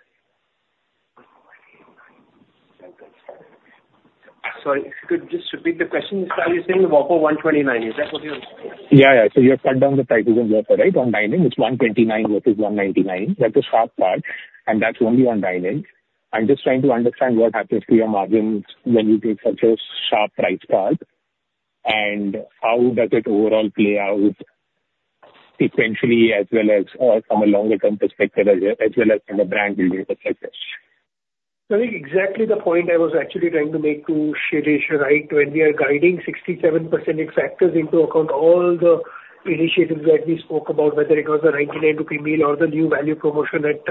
Speaker 4: Sorry, could you just repeat the question? You're saying Whopper 129, is that what you're saying?
Speaker 12: Yeah, yeah. So you have cut down the prices on Whopper, right? On dine-in, it's 129 versus 199. That's a sharp cut, and that's only on dine-in. I'm just trying to understand what happens to your margins when you take such a sharp price cut, and how does it overall play out sequentially as well as, or from a longer term perspective, as well, as well as from a brand building perspective?
Speaker 4: I think exactly the point I was actually trying to make to Shirish, right? When we are guiding 67%, it factors into account all the initiatives that we spoke about, whether it was the 99 rupee meal or the new value promotion at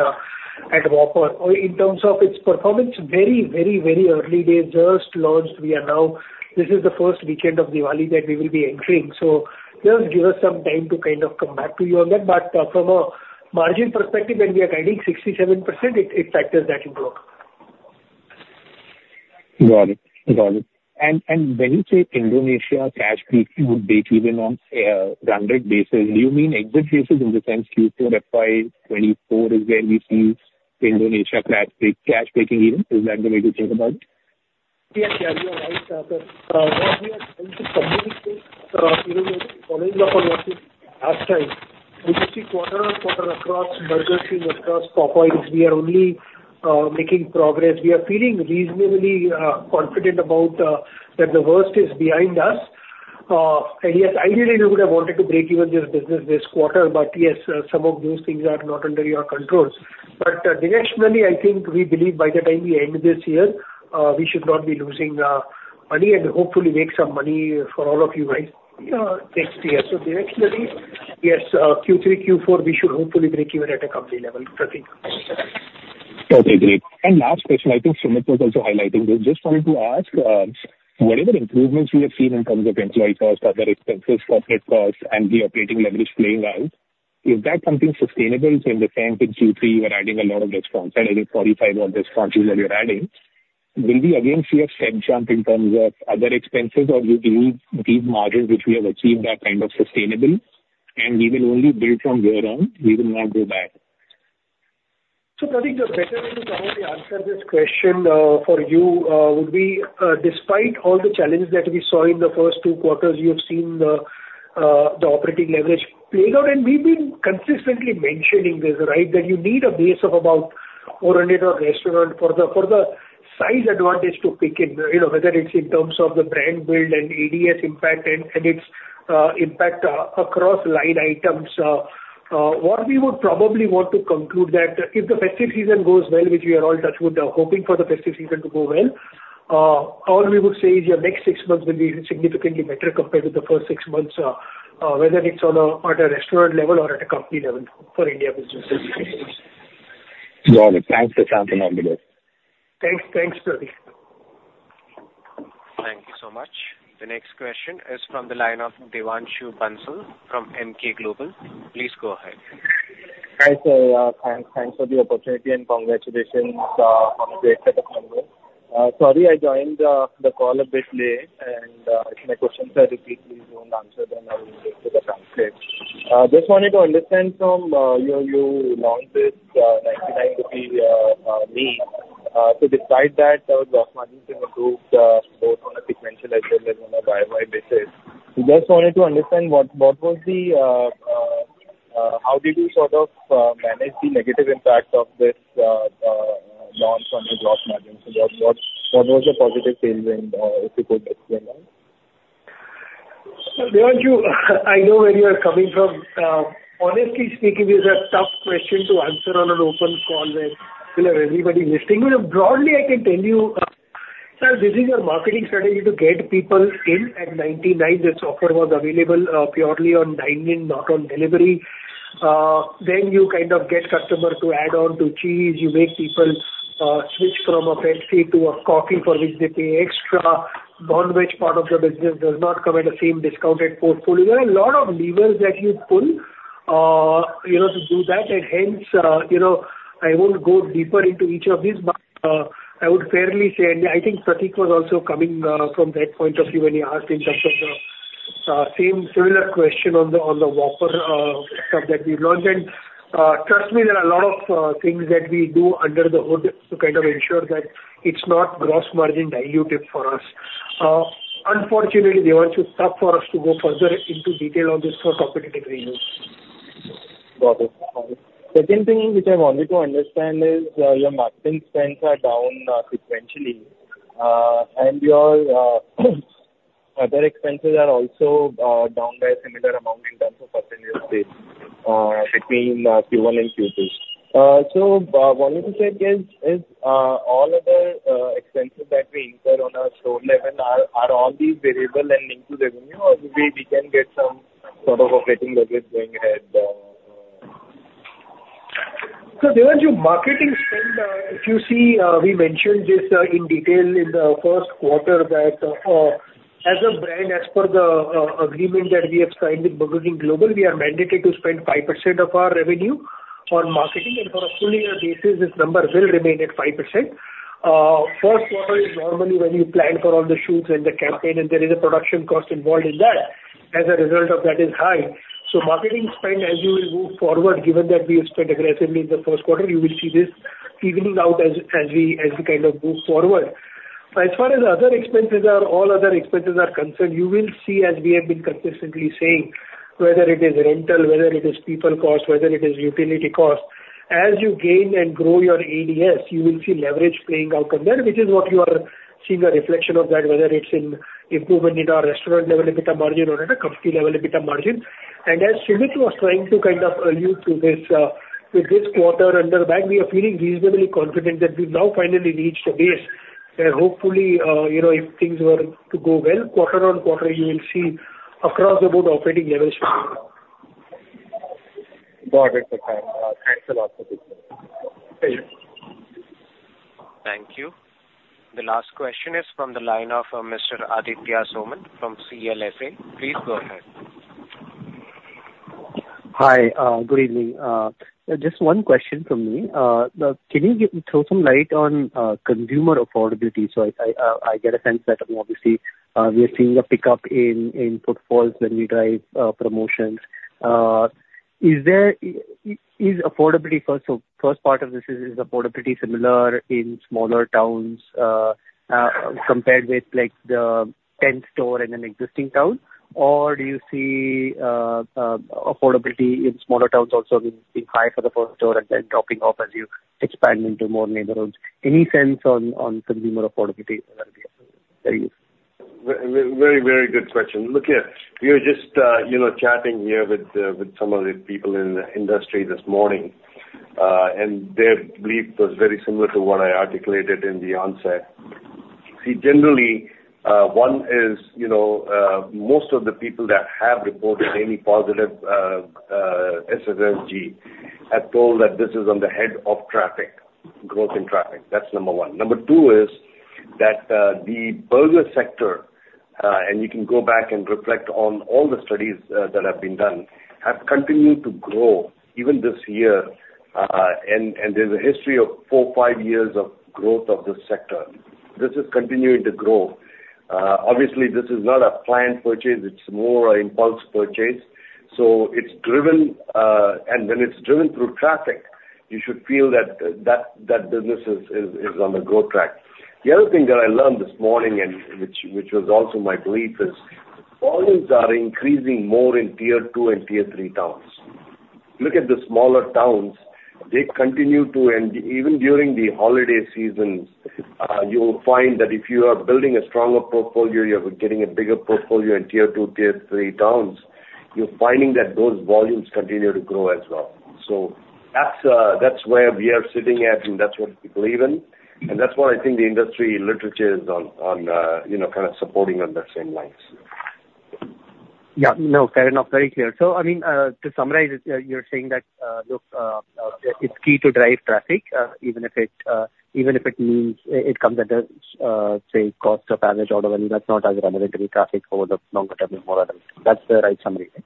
Speaker 4: Whopper. Or in terms of its performance, very, very, very early days, just launched. We are now-- This is the first weekend of Diwali that we will be entering. So just give us some time to kind of come back to you on that. But, from a margin perspective, when we are guiding 67%, it, it factors that into it.
Speaker 12: Got it. Got it. And when you say Indonesia cash break-even would break even on 100 basis, do you mean exit basis in the sense Q4, FY 2024 is where we see Indonesia cash break, cash breaking even? Is that the way to think about it?
Speaker 4: Yeah, yeah, you are right, but, what we are trying to communicate, you know, following up on what we said last time, we will see quarter on quarter across Burger King, across Popeyes, we are only making progress. We are feeling reasonably confident about that the worst is behind us. And yes, ideally, we would have wanted to break even this business this quarter, but yes, some of those things are not under your controls. But, directionally, I think we believe by the time we end this year, we should not be losing money, and hopefully make some money for all of you guys next year. So directionally, yes, Q3, Q4, we should hopefully break even at a company level, Pratik.
Speaker 12: Okay, great. And last question, I think Sumit was also highlighting this. Just wanted to ask, whatever improvements you have seen in terms of employee costs, other expenses, corporate costs, and the operating leverage playing out, is that something sustainable? So in the sense, in Q3, you are adding a lot of restaurants, I think 45 of those franchises that you're adding. Will we again see a step jump in terms of other expenses, or you believe these margins which we have achieved are kind of sustainable, and we will only build from here on, we will not go back?
Speaker 4: So, Pratik, the best way to probably answer this question, for you, would be, despite all the challenges that we saw in the first two quarters, you have seen the operating leverage play out. And we've been consistently mentioning this, right? That you need a base of about 400 restaurants for the size advantage to kick in. You know, whether it's in terms of the brand build and ADS impact, and its impact across line items. What we would probably want to conclude that if the festive season goes well, which we are all touch wood, hoping for the festive season to go well, all we would say is your next six months will be significantly better compared to the first six months, whether it's on a, at a restaurant level or at a company level for India businesses.
Speaker 12: Got it. Thanks, Shashank and Anil.
Speaker 4: Thanks. Thanks, Pratik.
Speaker 1: Thank you so much. The next question is from the line of Devanshu Bansal from Emkay Global. Please go ahead.
Speaker 13: Hi, sir. Thanks, thanks for the opportunity, and congratulations on the great set of numbers. Sorry, I joined the call a bit late, and if my questions are repeated, please don't answer them or go to the transcript. Just wanted to understand from you, you launched this 99 rupee meal, so despite that, gross margins have improved both on a sequential as well as on a YoY basis. Just wanted to understand what, what was the... How did you sort of manage the negative impact of this non-food gross margin? So what, what, what was the positive sales in, if you could explain that?
Speaker 7: So Devanshu, you, I know where you are coming from. Honestly speaking, it's a tough question to answer on an open call where, you know, everybody listening. You know, broadly, I can tell you, so this is a marketing strategy to get people in. At 99, this offer was available, purely on dining, not on delivery. Then you kind of get customer to add on to cheese. You make people, switch from a Pepsi to a coffee, for which they pay extra. Non-veg part of the business does not come at the same discounted portfolio. There are a lot of levers that you pull, you know, to do that, and hence, you know, I won't go deeper into each of these. But I would fairly say, and I think Pratik was also coming from that point of view when he asked in terms of the same similar question on the Whopper stuff that we launched. And trust me, there are a lot of things that we do under the hood to kind of ensure that it's not gross margin dilutive for us. Unfortunately, Devanshu, it's tough for us to go further into detail on this for competitive reasons.
Speaker 13: Got it. Got it. Second thing which I wanted to understand is your marketing spends are down sequentially. Your other expenses are also down by a similar amount in terms of percentage between Q1 and Q2. Wanted to check is all other expenses that we incur on a store level are all these variable and linked to revenue, or we can get some sort of operating leverage going ahead?
Speaker 7: So Devanshu, your marketing spend, if you see, we mentioned this in detail in the first quarter, that, as a brand, as per the agreement that we have signed with Burger King Global, we are mandated to spend 5% of our revenue on marketing, and on a full year basis, this number will remain at 5%. First quarter is normally when you plan for all the shoots and the campaign, and there is a production cost involved in that. As a result of that is high. So marketing spend, as you will move forward, given that we have spent aggressively in the first quarter, you will see this evening out as we kind of move forward. As far as other expenses are, all other expenses are concerned, you will see, as we have been consistently saying, whether it is rental, whether it is people cost, whether it is utility cost, as you gain and grow your ADS, you will see leverage playing out from there, which is what you are seeing a reflection of that, whether it's in improvement in our restaurant level EBITDA margin or at a company level EBITDA margin. As Sumit was trying to kind of allude to this, with this quarter under our belt, we are feeling reasonably confident that we've now finally reached a base, and hopefully, you know, if things were to go well, quarter on quarter, you will see across the board operating leverage coming out.
Speaker 13: Got it. Okay. Thanks a lot for this.
Speaker 7: Thank you.
Speaker 1: Thank you. The last question is from the line of Mr. Aditya Soman from CLSA. Please go ahead.
Speaker 14: Hi, good evening. Just one question from me. Can you give, throw some light on, consumer affordability? So I get a sense that obviously, we are seeing a pickup in footfalls when we drive promotions. Is there, is affordability first part of this is, is affordability similar in smaller towns, compared with like the tenth store in an existing town? Or do you see affordability in smaller towns also being high for the first store and then dropping off as you expand into more neighborhoods? Any sense on consumer affordability, there is?
Speaker 3: Very, very good question. Look, here, we were just, you know, chatting here with, with some of the people in the industry this morning, and their belief was very similar to what I articulated in the onset. See, generally, one is, you know, most of the people that have reported any positive, SSSG, have told that this is on the head of traffic, growth in traffic. That's number one. Number two is that, the burger sector, and you can go back and reflect on all the studies, that have been done, have continued to grow even this year. And, and there's a history of 4-5 years of growth of this sector. This is continuing to grow. Obviously, this is not a planned purchase, it's more an impulse purchase, so it's driven, and when it's driven through traffic, you should feel that that business is on the growth track. The other thing that I learned this morning, and which was also my belief, is volumes are increasing more in Tier 2 and Tier 3 towns. Look at the smaller towns, they continue to... And even during the holiday season, you'll find that if you are building a stronger portfolio, you're getting a bigger portfolio in Tier 2, Tier 3 towns, you're finding that those volumes continue to grow as well. So that's where we are sitting at, and that's what we believe in. And that's what I think the industry literature is on, you know, kind of supporting on the same lines.
Speaker 14: Yeah. No, fair enough. Very clear. So, I mean, to summarize it, you're saying that, look, it's key to drive traffic, even if it means it comes at a, say, cost of average order value, that's not as rudimentary traffic over the longer term and more items. That's the right summary, right?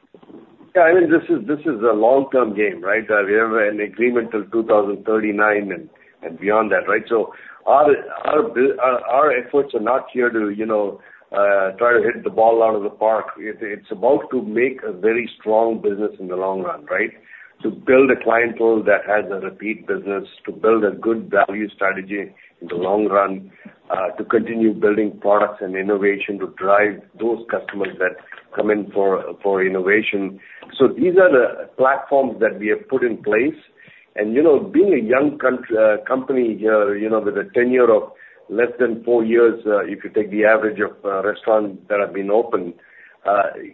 Speaker 3: Yeah, I mean, this is a long-term game, right? We have an agreement till 2039 and beyond that, right? So our efforts are not here to, you know, try to hit the ball out of the park. It's about to make a very strong business in the long run, right? To build a clientele that has a repeat business, to build a good value strategy in the long run. To continue building products and innovation to drive those customers that come in for innovation. So these are the platforms that we have put in place. And, you know, being a young company, you know, with a tenure of less than four years, if you take the average of restaurants that have been opened,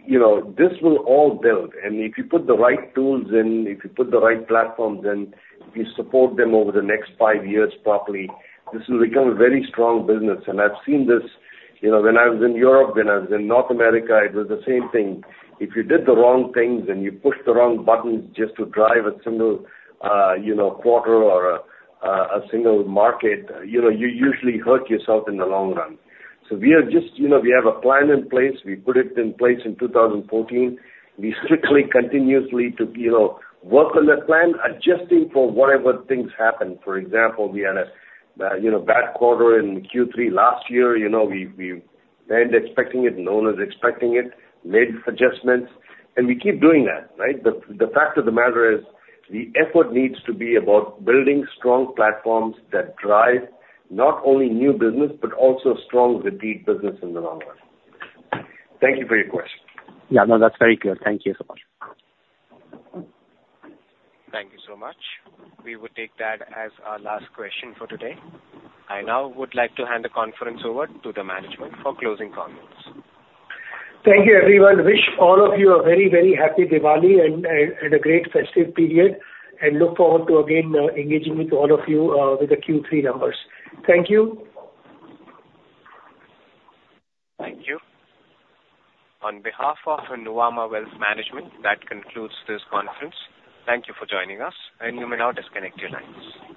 Speaker 3: you know, this will all build. And if you put the right tools in, if you put the right platforms in, if you support them over the next five years properly, this will become a very strong business. And I've seen this, you know, when I was in Europe, when I was in North America, it was the same thing. If you did the wrong things and you pushed the wrong buttons just to drive a single, you know, quarter or a, a single market, you know, you usually hurt yourself in the long run. So we are just, you know, we have a plan in place. We put it in place in 2014. We strictly continuously to, you know, work on the plan, adjusting for whatever things happen. For example, we had a, you know, bad quarter in Q3 last year. You know, we weren't expecting it, no one was expecting it, made adjustments, and we keep doing that, right? The fact of the matter is, the effort needs to be about building strong platforms that drive not only new business, but also strong repeat business in the long run. Thank you for your question.
Speaker 14: Yeah, no, that's very clear. Thank you so much.
Speaker 1: Thank you so much. We will take that as our last question for today. I now would like to hand the conference over to the management for closing comments.
Speaker 7: Thank you, everyone. Wish all of you a very, very happy Diwali and a great festive period, and look forward to again, engaging with all of you, with the Q3 numbers. Thank you.
Speaker 1: Thank you. On behalf of Nuvama Wealth Management, that concludes this conference. Thank you for joining us, and you may now disconnect your lines.